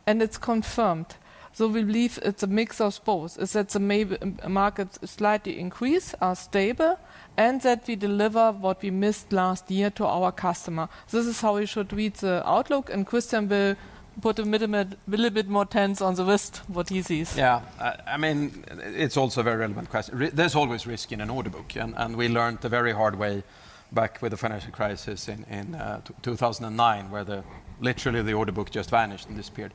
and it's confirmed. We believe it's a mix of both, is that the markets slightly increase, are stable, and that we deliver what we missed last year to our customer. This is how we should read the outlook, Christian will put a little bit more tense on the risk what he sees. Yeah. I mean, it's also a very relevant question. There's always risk in an order book. And we learned the very hard way back with the financial crisis in 2009, where literally the order book just vanished and disappeared.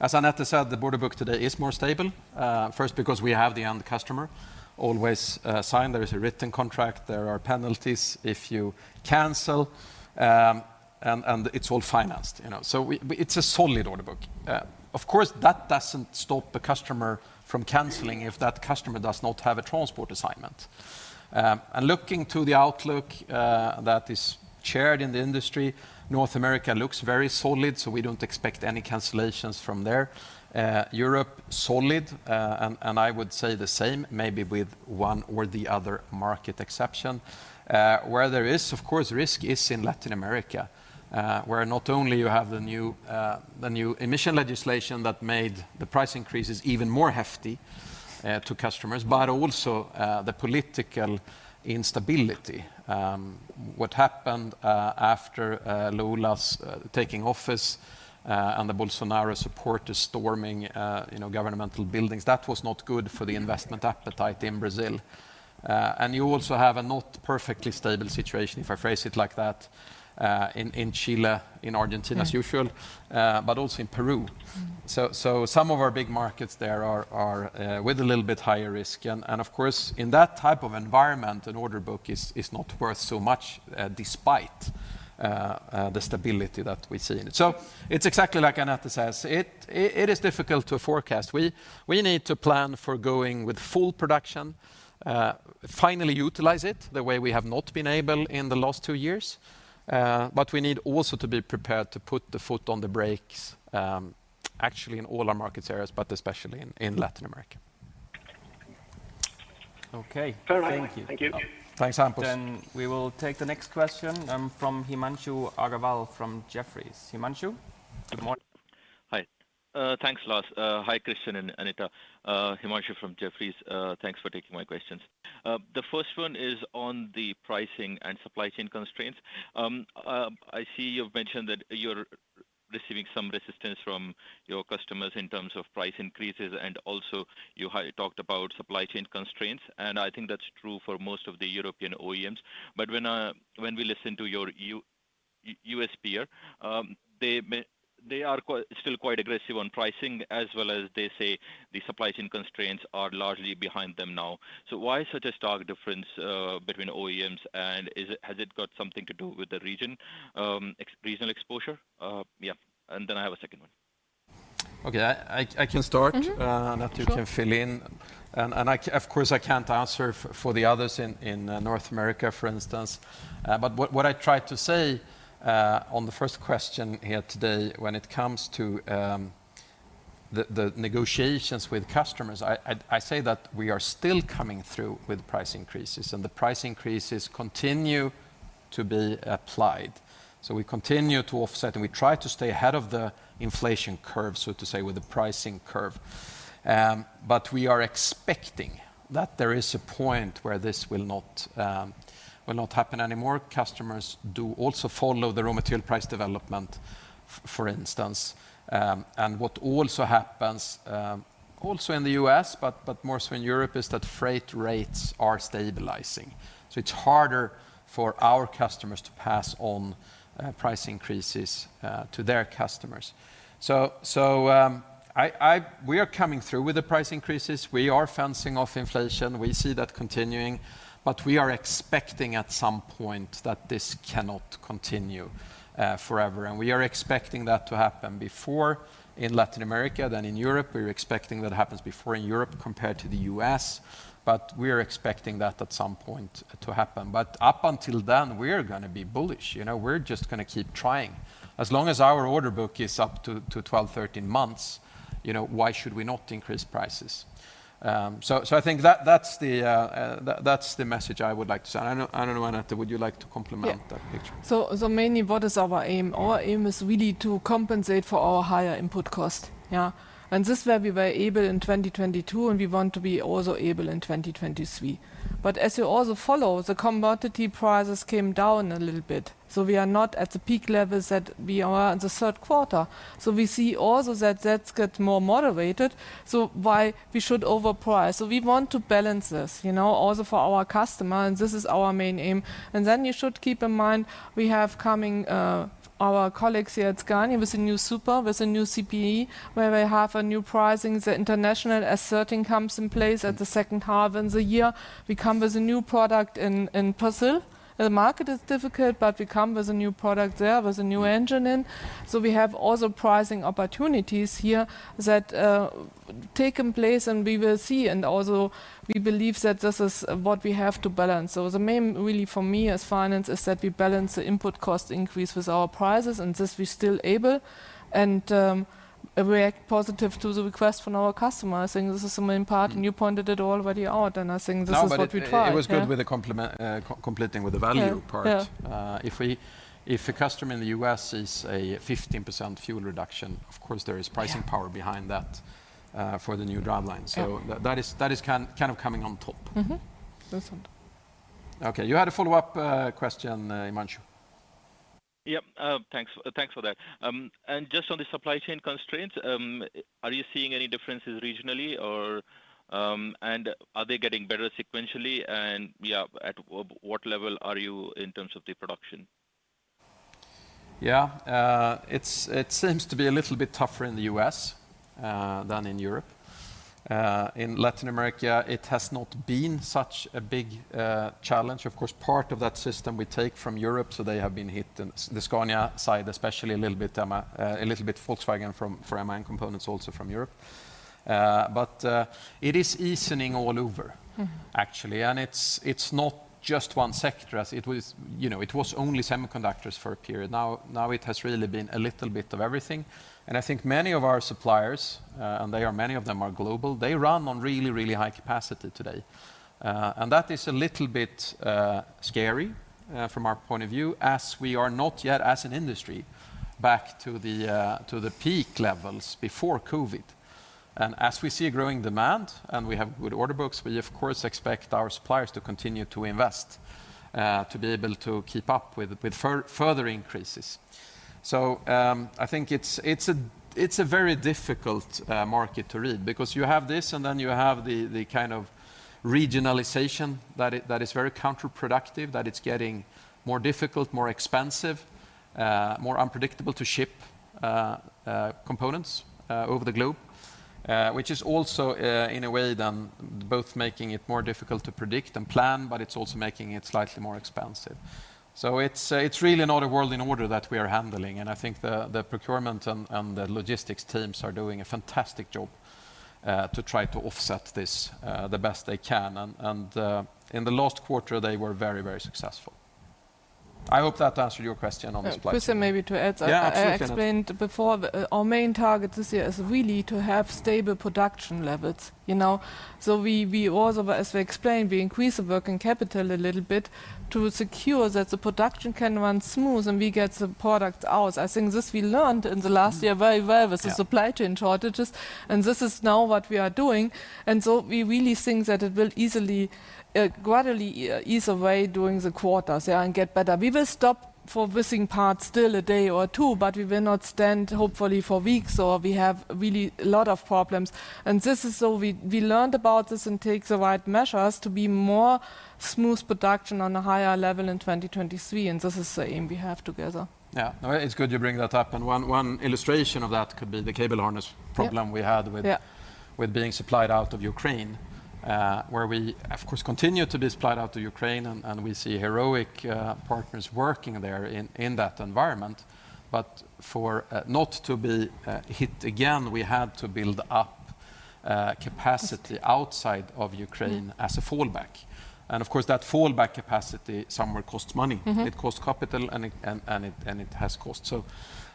As Annette said, the order book today is more stable, first because we have the end customer always signed. There is a written contract. There are penalties if you cancel, and it's all financed, you know. It's a solid order book. Of course, that doesn't stop the customer from canceling if that customer does not have a transport assignment. Looking to the outlook that is shared in the industry, North America looks very solid, we don't expect any cancellations from there. Europe, solid, and I would say the same, maybe with one or the other market exception. Where there is, of course, risk is in Latin America, where not only you have the new emission legislation that made the price increases even more hefty to customers, but also the political instability. What happened after Lula's taking office and the Bolsonaro supporter storming, you know, governmental buildings, that was not good for the investment appetite in Brazil. You also have a not perfectly stable situation, if I phrase it like that, in Chile, in Argentina as usual. Mm-hmm but also in Peru. Mm-hmm. Some of our big markets there are with a little bit higher risk. Of course, in that type of environment, an order book is not worth so much despite the stability that we see in it. It's exactly like Annette says. It is difficult to forecast. We need to plan for going with full production, finally utilize it the way we have not been able in the last two years. We need also to be prepared to put the foot on the brakes, actually in all our market areas, but especially in Latin America. Okay. Thank you. Thanks, Hampus. We will take the next question, from Himanshu Agarwal from Jefferies. Himanshu? Good morning. Hi. Thanks, Lars. Hi, Christian and Annette. Himanshu from Jefferies. Thanks for taking my questions. The first one is on the pricing and supply chain constraints. I see you've mentioned that you're receiving some resistance from your customers in terms of price increases, and also you talked about supply chain constraints, and I think that's true for most of the European OEMs. When we listen to your U.S. peer, they are still quite aggressive on pricing as well as they say the supply chain constraints are largely behind them now. Why such a stark difference between OEMs, and has it got something to do with the region, regional exposure? Then I have a second one. Okay. I can start. Mm-hmm. Sure. Annette, you can fill in. I of course, I can't answer for the others in North America, for instance. But what I tried to say on the first question here today when it comes to the negotiations with customers, I say that we are still coming through with price increases, and the price increases continue to be applied. We continue to offset, and we try to stay ahead of the inflation curve, so to say, with the pricing curve. But we are expecting that there is a point where this will not happen anymore. Customers do also follow the raw material price development for instance. What also happens, also in the U.S. but more so in Europe, is that freight rates are stabilizing, so it's harder for our customers to pass on price increases to their customers. We are coming through with the price increases. We are fencing off inflation. We see that continuing. We are expecting at some point that this cannot continue forever, and we are expecting that to happen before in Latin America than in Europe. We're expecting that happens before in Europe compared to the U.S., but we are expecting that at some point to happen. Up until then, we are gonna be bullish. You know, we're just gonna keep trying. As long as our order book is up to 12, 13 months, you know, why should we not increase prices? I think that's the message I would like to say. I don't know, Annette, would you like to complement-? Yeah that picture? mainly what is our aim? Yeah. Our aim is really to compensate for our higher input cost. Yeah. This is where we were able in 2022, and we want to be also able in 2023. As you also follow, the commodity prices came down a little bit, so we are not at the peak levels that we are in the third quarter. We see also that get more moderated, so why we should overprice? We want to balance this, you know, also for our customer, and this is our main aim. Then you should keep in mind we have coming our colleagues here at Scania with a new Scania Super, with a new CPE, where we have a new pricing. The International S13 comes in place at the second half in the year. We come with a new product in Brazil. The market is difficult, but we come with a new product there, with a new engine in. We have also pricing opportunities here that taken place and we will see. Also we believe that this is what we have to balance. The main really for me as finance is that we balance the input cost increase with our prices, and this we're still able, and react positive to the request from our customer. I think this is the main part, and you pointed it already out, and I think this is what we try. Yeah. No, it was good with the complement, completing with the value part. Yeah. Yeah. If a customer in the U.S. sees a 15% fuel reduction, of course there is pricing- Yeah power behind that, for the new driveline. Yeah. That is kind of coming on top. Mm-hmm. That's it. Okay, you had a follow-up, question, Himanshu. Yep. thanks for that. Just on the supply chain constraints, are you seeing any differences regionally or, and are they getting better sequentially? Yeah, at what level are you in terms of the production? Yeah. it seems to be a little bit tougher in the U.S. than in Europe. In Latin America it has not been such a big challenge. Of course, part of that system we take from Europe, so they have been hit, and the Scania side especially a little bit, a little bit Volkswagen from AM components also from Europe. it is easing. Mm-hmm Actually, and it's not just one sector as it was, you know, it was only semiconductors for a period. Now it has really been a little bit of everything, and I think many of our suppliers, and they are, many of them are global, they run on really, really high capacity today. That is a little bit scary from our point of view as we are not yet as an industry back to the peak levels before COVID. As we see growing demand, and we have good order books, we of course expect our suppliers to continue to invest, to be able to keep up with further increases. I think it's a, it's a very difficult market to read because you have this and then you have the kind of regionalization that is very counterproductive, that it's getting more difficult, more expensive, more unpredictable to ship components over the globe. Which is also, in a way then both making it more difficult to predict and plan, but it's also making it slightly more expensive. It's really not a world in order that we are handling, and I think the procurement and the logistics teams are doing a fantastic job to try to offset this the best they can. In the last quarter they were very, very successful. I hope that answered your question on the supply chain. Yeah. Christian, maybe to add- Yeah. Absolutely. I explained before our main target this year is really to have stable production levels, you know. We also, as we explained, we increase the working capital a little bit to secure that the production can run smooth, and we get the product out. I think this we learned in the last year very well. Yeah With the supply chain shortages. This is now what we are doing. We really think that it will easily gradually ease away during the quarters, yeah, and get better. We will stop for missing parts still a day or two. We will not stand hopefully for weeks or we have really a lot of problems. This is so we learned about this and take the right measures to be more smooth production on a higher level in 2023. This is aim we have together. Yeah. No, it's good you bring that up, and one illustration of that could be the cable harness problem... Yep we had Yeah with being supplied out of Ukraine, where we of course continue to be supplied out of Ukraine and we see heroic partners working there in that environment. For not to be hit again, we had to build up capacity outside of Ukraine as a fallback. Of course, that fallback capacity somewhere costs money. Mm-hmm. It costs capital and it has cost.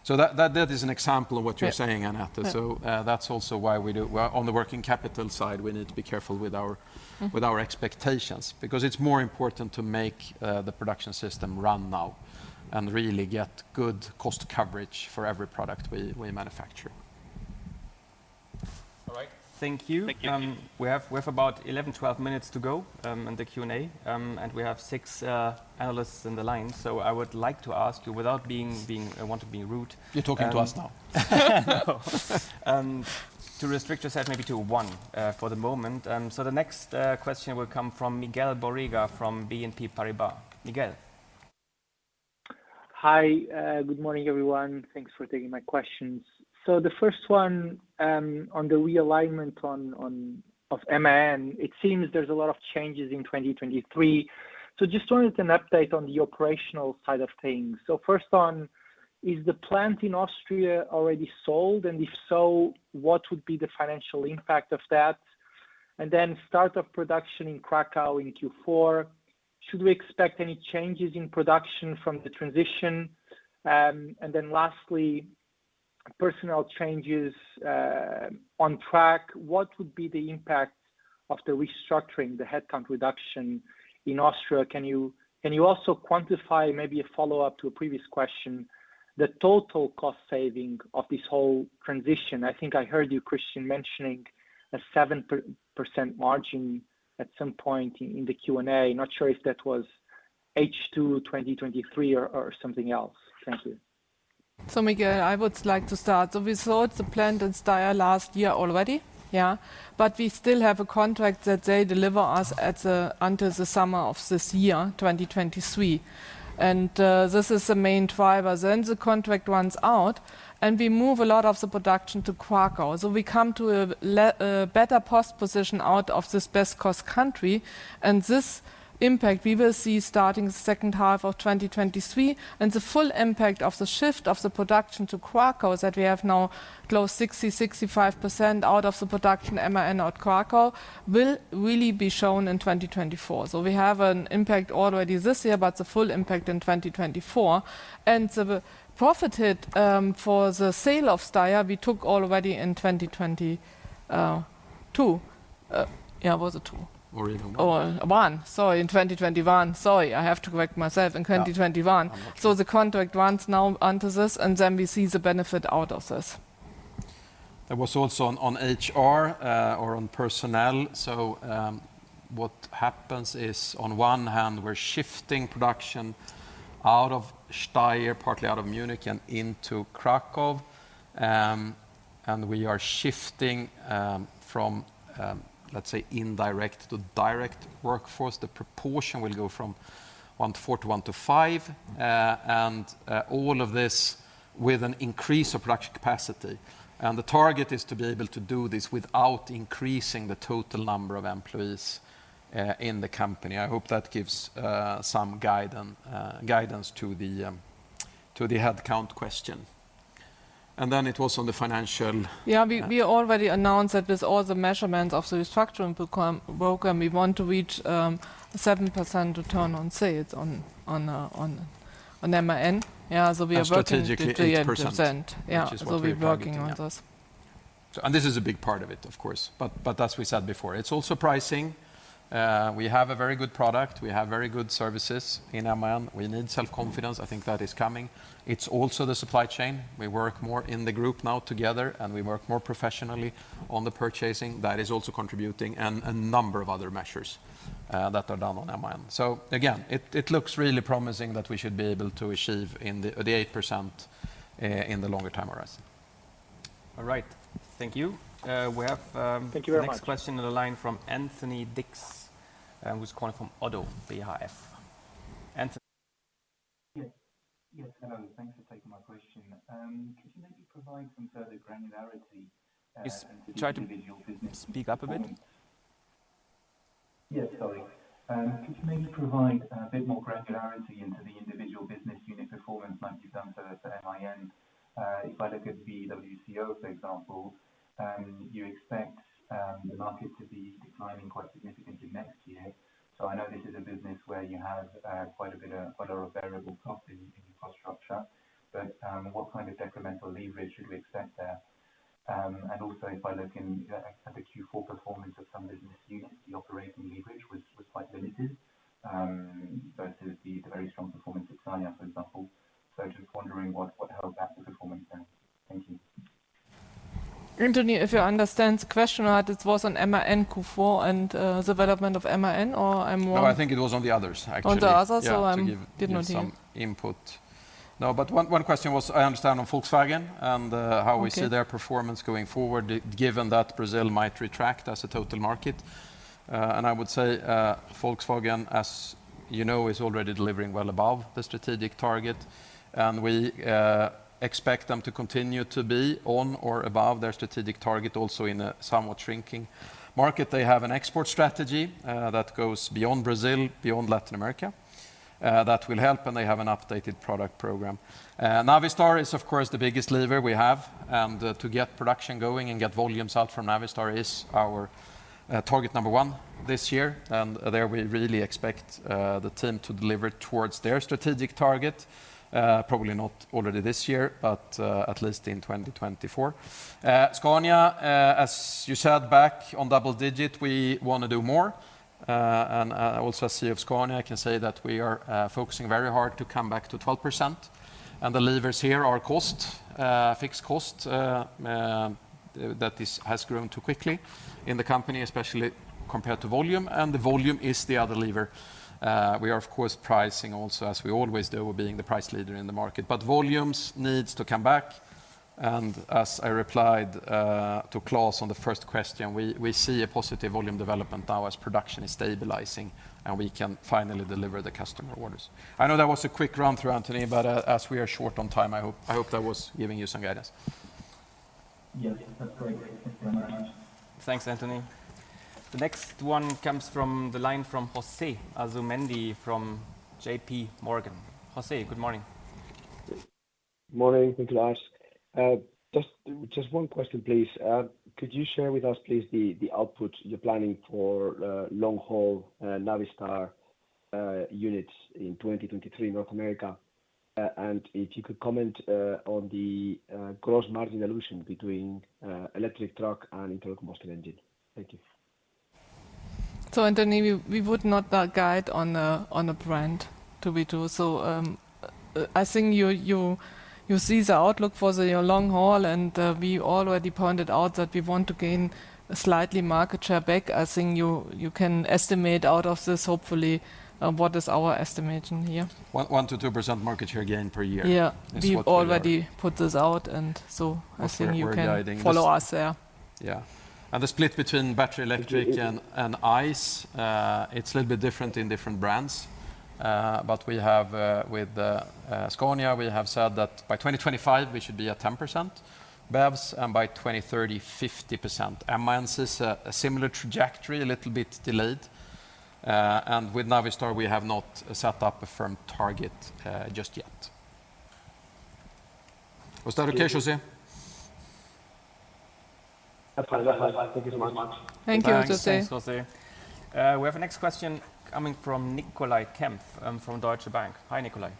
That is an example of what you're saying, Annette. Yeah. Yeah. That's also why we on the working capital side, we need to be careful with our... Mm-hmm with our expectations, because it's more important to make the production system run now and really get good cost coverage for every product we manufacture. All right. Thank you. Thank you. We have about 11, 12 minutes to go in the Q&A. We have six analysts in the line. I would like to ask you without being, I don't want to be rude. You're talking to us now. No. To restrict yourself maybe to one for the moment. The next question will come from Miguel Borrega from BNP Paribas. Miguel. Hi. Good morning, everyone. Thanks for taking my questions. The first one, on the realignment of MAN, it seems there's a lot of changes in 2023. Just wanted an update on the operational side of things. First one, is the plant in Austria already sold? If so, what would be the financial impact of that? Start of production in Kraków in Q4, should we expect any changes in production from the transition? Lastly, personnel changes, on track, what would be the impact of the restructuring, the headcount reduction in Austria? Can you also quantify, maybe a follow-up to a previous question, the total cost saving of this whole transition? I think I heard you, Christian, mentioning a 7% margin at some point in the Q&A. Not sure if that was H2 2023 or something else. Thank you. Miguel, I would like to start. We sold the plant in Steyr last year already, yeah. We still have a contract that they deliver us at until the summer of this year, 2023. This is the main driver. The contract runs out, and we move a lot of the production to Kraków. We come to a better cost position out of this best cost country. This impact we will see starting second half of 2023. The full impact of the shift of the production to Kraków, is that we have now close 60%-65% out of the production MAN out Kraków, will really be shown in 2024. We have an impact already this year, but the full impact in 2024. The profited for the sale of Steyr, we took already in 2022. Yeah, was it two? In one. One. Sorry, in 2021. Sorry, I have to correct myself. In 2021. Yeah. I'm okay. The contract runs now under this, and then we see the benefit out of this. There was also on HR, or on personnel. What happens is, on one hand, we're shifting production out of Steyr, partly out of Munich and into Kraków. We are shifting, from, let's say, indirect to direct workforce. The proportion will go from one to four to one to five. All of this with an increase of production capacity. The target is to be able to do this without increasing the total number of employees, in the company. I hope that gives, some guide and, guidance to the, to the headcount question. Then it was on the financial- We already announced that with all the measurements of the restructuring program, we want to reach 7% return on sales on MAN. We are working. strategically 8%. Yeah. Which is what we are targeting, yeah. We're working on this. This is a big part of it, of course, but as we said before, it's also pricing. We have a very good product. We have very good services in MAN. We need self-confidence. I think that is coming. It's also the supply chain. We work more in the group now together, and we work more professionally on the purchasing. That is also contributing and a number of other measures, that are done on MAN. again, it looks really promising that we should be able to achieve the 8%, in the longer time horizon. All right. Thank you. We have. Thank you very much. Next question on the line from Anthony Dick, who's calling from ODDO BHF. Anthony. Yes. Yes, hello. Thanks for taking my question. Could you maybe provide some further granularity? Just try to- into the individual business unit performance? speak up a bit. Yes, sorry. Could you maybe provide a bit more granularity into the individual business unit performance like you've done for MAN? If I look at VWCO, for example, you expect the market to be declining quite significantly next year. I know this is a business where you have quite a bit of a lot of variable cost in your cost structure. What kind of incremental leverage should we expect there? And also if I look at the Q4 performance of some business units, the operating leverage was quite limited versus the very strong performance at Scania, for example. Just wondering what held back the performance there. Thank you. Anthony, if you understand the question right, it was on MAN Q4 and the development of MAN or I'm wrong? No, I think it was on the others, actually. On the others? Yeah. Did not hear. To give some input. One question was, I understand, on Volkswagen and Okay how we see their performance going forward given that Brazil might retract as a total market. I would say, Volkswagen, as you know, is already delivering well above the strategic target, and we expect them to continue to be on or above their strategic target also in a somewhat shrinking market. They have an export strategy that goes beyond Brazil, beyond Latin America. That will help when they have an updated product program. Navistar is, of course, the biggest lever we have, and to get production going and get volumes out from Navistar is our target number one this year. There we really expect the team to deliver towards their strategic target, probably not already this year, but at least in 2024. Scania, as you said, back on double digit, we wanna do more. Also as CEO of Scania, I can say that we are focusing very hard to come back to 12%. The levers here are cost, fixed cost, has grown too quickly in the company, especially compared to volume, and the volume is the other lever. We are of course pricing also, as we always do, being the price leader in the market. Volumes needs to come back, and as I replied to Klas on the first question, we see a positive volume development now as production is stabilizing, and we can finally deliver the customer orders. I know that was a quick run-through, Anthony, but as we are short on time, I hope that was giving you some guidance. Yes. That's great. Thank you very much. Thanks, Anthony. The next one comes from the line from José Asumendi from JPMorgan. José, good morning. Morning. Thank you, Lars. Just one question, please. Could you share with us, please, the output you're planning for long haul Navistar units in 2023 North America, and if you could comment on the gross margin illusion between electric truck and internal combustion engine? Thank you. To Anthony, we would not guide on a brand, to be true. I think you see the outlook for the long haul, and we already pointed out that we want to gain slightly market share back. I think you can estimate out of this, hopefully, what is our estimation here. 1%-2% market share gain per year. Yeah is what we. We already put this out, and so I think you can- That's where we're guiding this. follow us, yeah. Yeah. The split between battery electric and ICE, it's a little bit different in different brands. We have, with Scania, we have said that by 2025, we should be at 10% BEVs, and by 2030, 50%. MAN has a similar trajectory, a little bit delayed. With Navistar, we have not set up a firm target, just yet. Was that okay, José? That's perfect. Thank you so much. Thank you, José. Thanks. Thanks, José. We have a next question coming from Nicolai Kempf, from Deutsche Bank. Hi, Nicolai.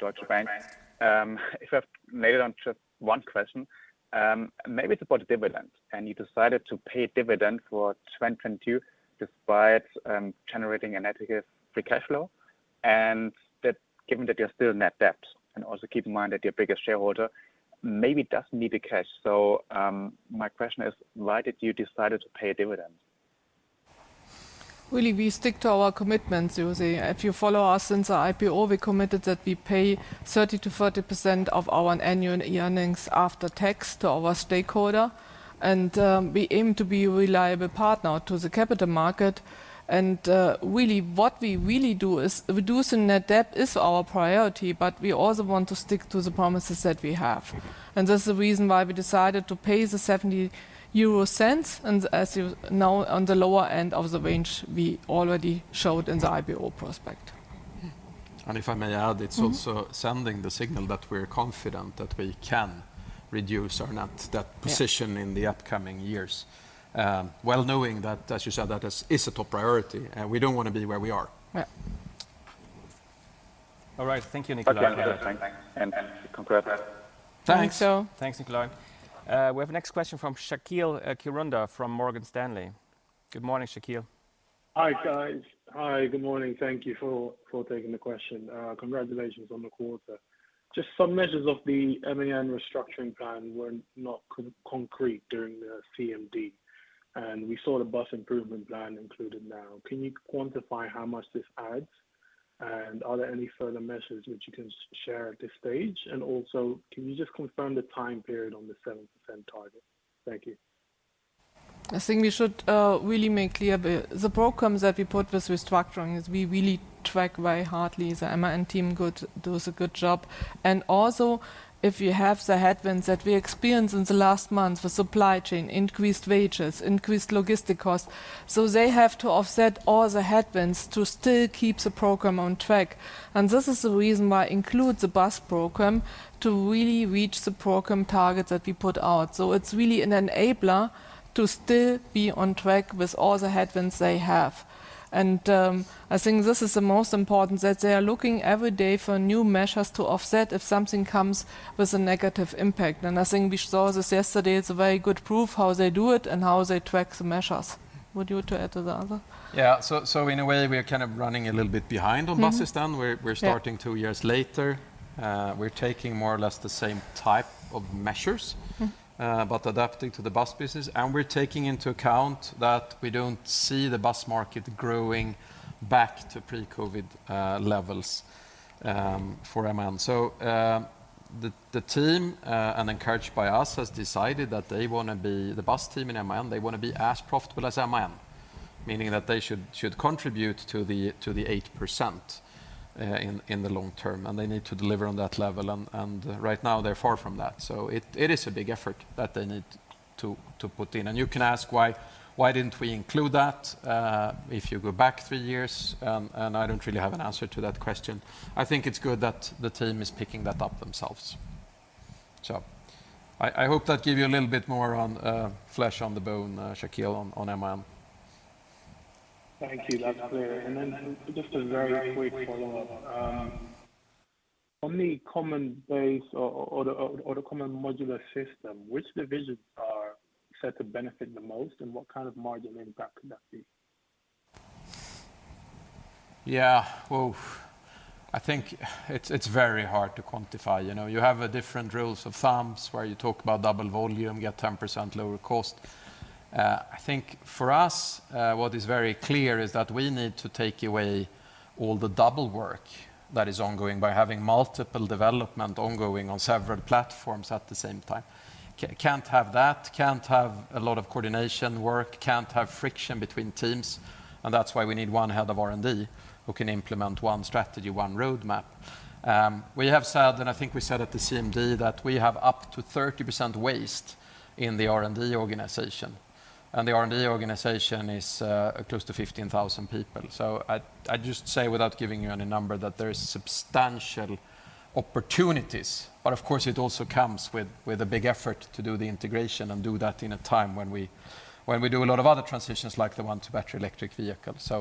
Deutsche Bank. If I may launch just one question, maybe it's about dividend. You decided to pay dividend for 2022 despite generating a negative free cash flow, and that, given that you're still in net debt, and also keep in mind that your biggest shareholder maybe doesn't need the cash. My question is, why did you decided to pay a dividend? Really, we stick to our commitments, José. If you follow us since the IPO, we committed that we pay 30%-40% of our annual earnings after tax to our stakeholder. We aim to be a reliable partner to the capital market. Really, what we really do is reducing net debt is our priority, but we also want to stick to the promises that we have. That's the reason why we decided to pay the 0.70, and as you know, on the lower end of the range we already showed in the IPO prospect. If I may add. Mm-hmm it's also sending the signal that we're confident that we can reduce our net debt position. Yeah in the upcoming years. Well, knowing that, as you said, that is a top priority, we don't wanna be where we are. Yeah. All right. Thank you, Nicolai. Okay. No problem. Thanks. Congrats. Thanks. Thanks, Nicolai. We have a next question from Shaqeal Kirunda from Morgan Stanley. Good morning, Shaqeal. Hi, guys. Hi, good morning. Thank you for taking the question. Congratulations on the quarter. Just some measures of the MAN restructuring plan were not concrete during the CMD, and we saw the bus improvement plan included now. Can you quantify how much this adds? Are there any further measures which you can share at this stage? Also, can you just confirm the time period on the 7% target? Thank you. I think we should really make clear the programs that we put with restructuring is we really track very hardly. The MAN team does a good job. Also, if you have the headwinds that we experienced in the last month for supply chain, increased wages, increased logistic costs, so they have to offset all the headwinds to still keep the program on track. This is the reason why include the bus program to really reach the program target that we put out. It's really an enabler to still be on track with all the headwinds they have. I think this is the most important, that they are looking every day for new measures to offset if something comes with a negative impact. I think we saw this yesterday. It's a very good proof how they do it and how they track the measures. Would you to add to the other? Yeah. In a way, we are kind of running a little bit behind- Mm-hmm on buses then. Yeah starting two years later. We're taking more or less the same type of measures- Mm-hmm but adapting to the bus business. We're taking into account that we don't see the bus market growing back to pre-COVID levels for MAN. The team, and encouraged by us, has decided that they wanna be the bus team in MAN, they wanna be as profitable as MAN, meaning that they should contribute to the 8% in the long-term, and they need to deliver on that level. Right now they're far from that. It is a big effort that they need to put in. You can ask why didn't we include that if you go back three years, I don't really have an answer to that question. I think it's good that the team is picking that up themselves. I hope that give you a little bit more on flesh on the bone, Shaqeal, on MM. Thank you. That's clear. Just a very quick follow-up. On the Common Base or the Common Modular System, which divisions are set to benefit the most and what kind of margin impact could that be? Well, I think it's very hard to quantify. You know, you have a different rules of thumbs where you talk about double volume, get 10% lower cost. I think for us, what is very clear is that we need to take away all the double work that is ongoing by having multiple development ongoing on several platforms at the same time. Can't have that, can't have a lot of coordination work, can't have friction between teams, and that's why we need one head of R&D who can implement one strategy, one roadmap. We have said, and I think we said at the CMD, that we have up to 30% waste in the R&D organization, and the R&D organization is close to 15,000 people. I'd just say, without giving you any number, that there is substantial opportunities. Of course, it also comes with a big effort to do the integration and do that in a time when we, when we do a lot of other transitions, like the one to battery electric vehicles.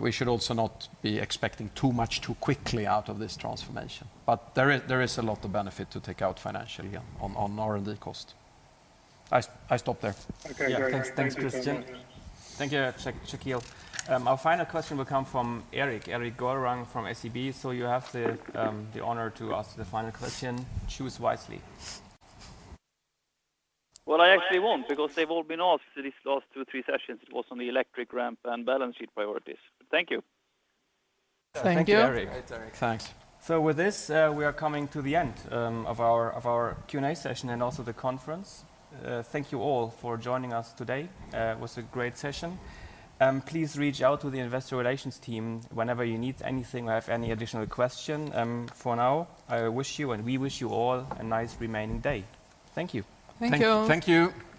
We should also not be expecting too much too quickly out of this transformation. There is a lot of benefit to take out financially on R&D cost. I stop there. Okay. Great. Thanks for your time. Yeah. Thanks, Christian. Thank you, Shaqeal. Our final question will come from Eric. Eric Gourdon from SEB. You have the honor to ask the final question. Choose wisely. Well, I actually won't because they've all been asked these last two, three sessions. It was on the electric ramp and balance sheet priorities. Thank you. Thank you. Thank you, Eric. Thanks, Eric. Thanks. With this, we are coming to the end of our Q&A session and also the conference. Thank you all for joining us today. It was a great session. Please reach out to the investor relations team whenever you need anything or have any additional question. For now, I wish you and we wish you all a nice remaining day. Thank you. Thank you. Thank you all.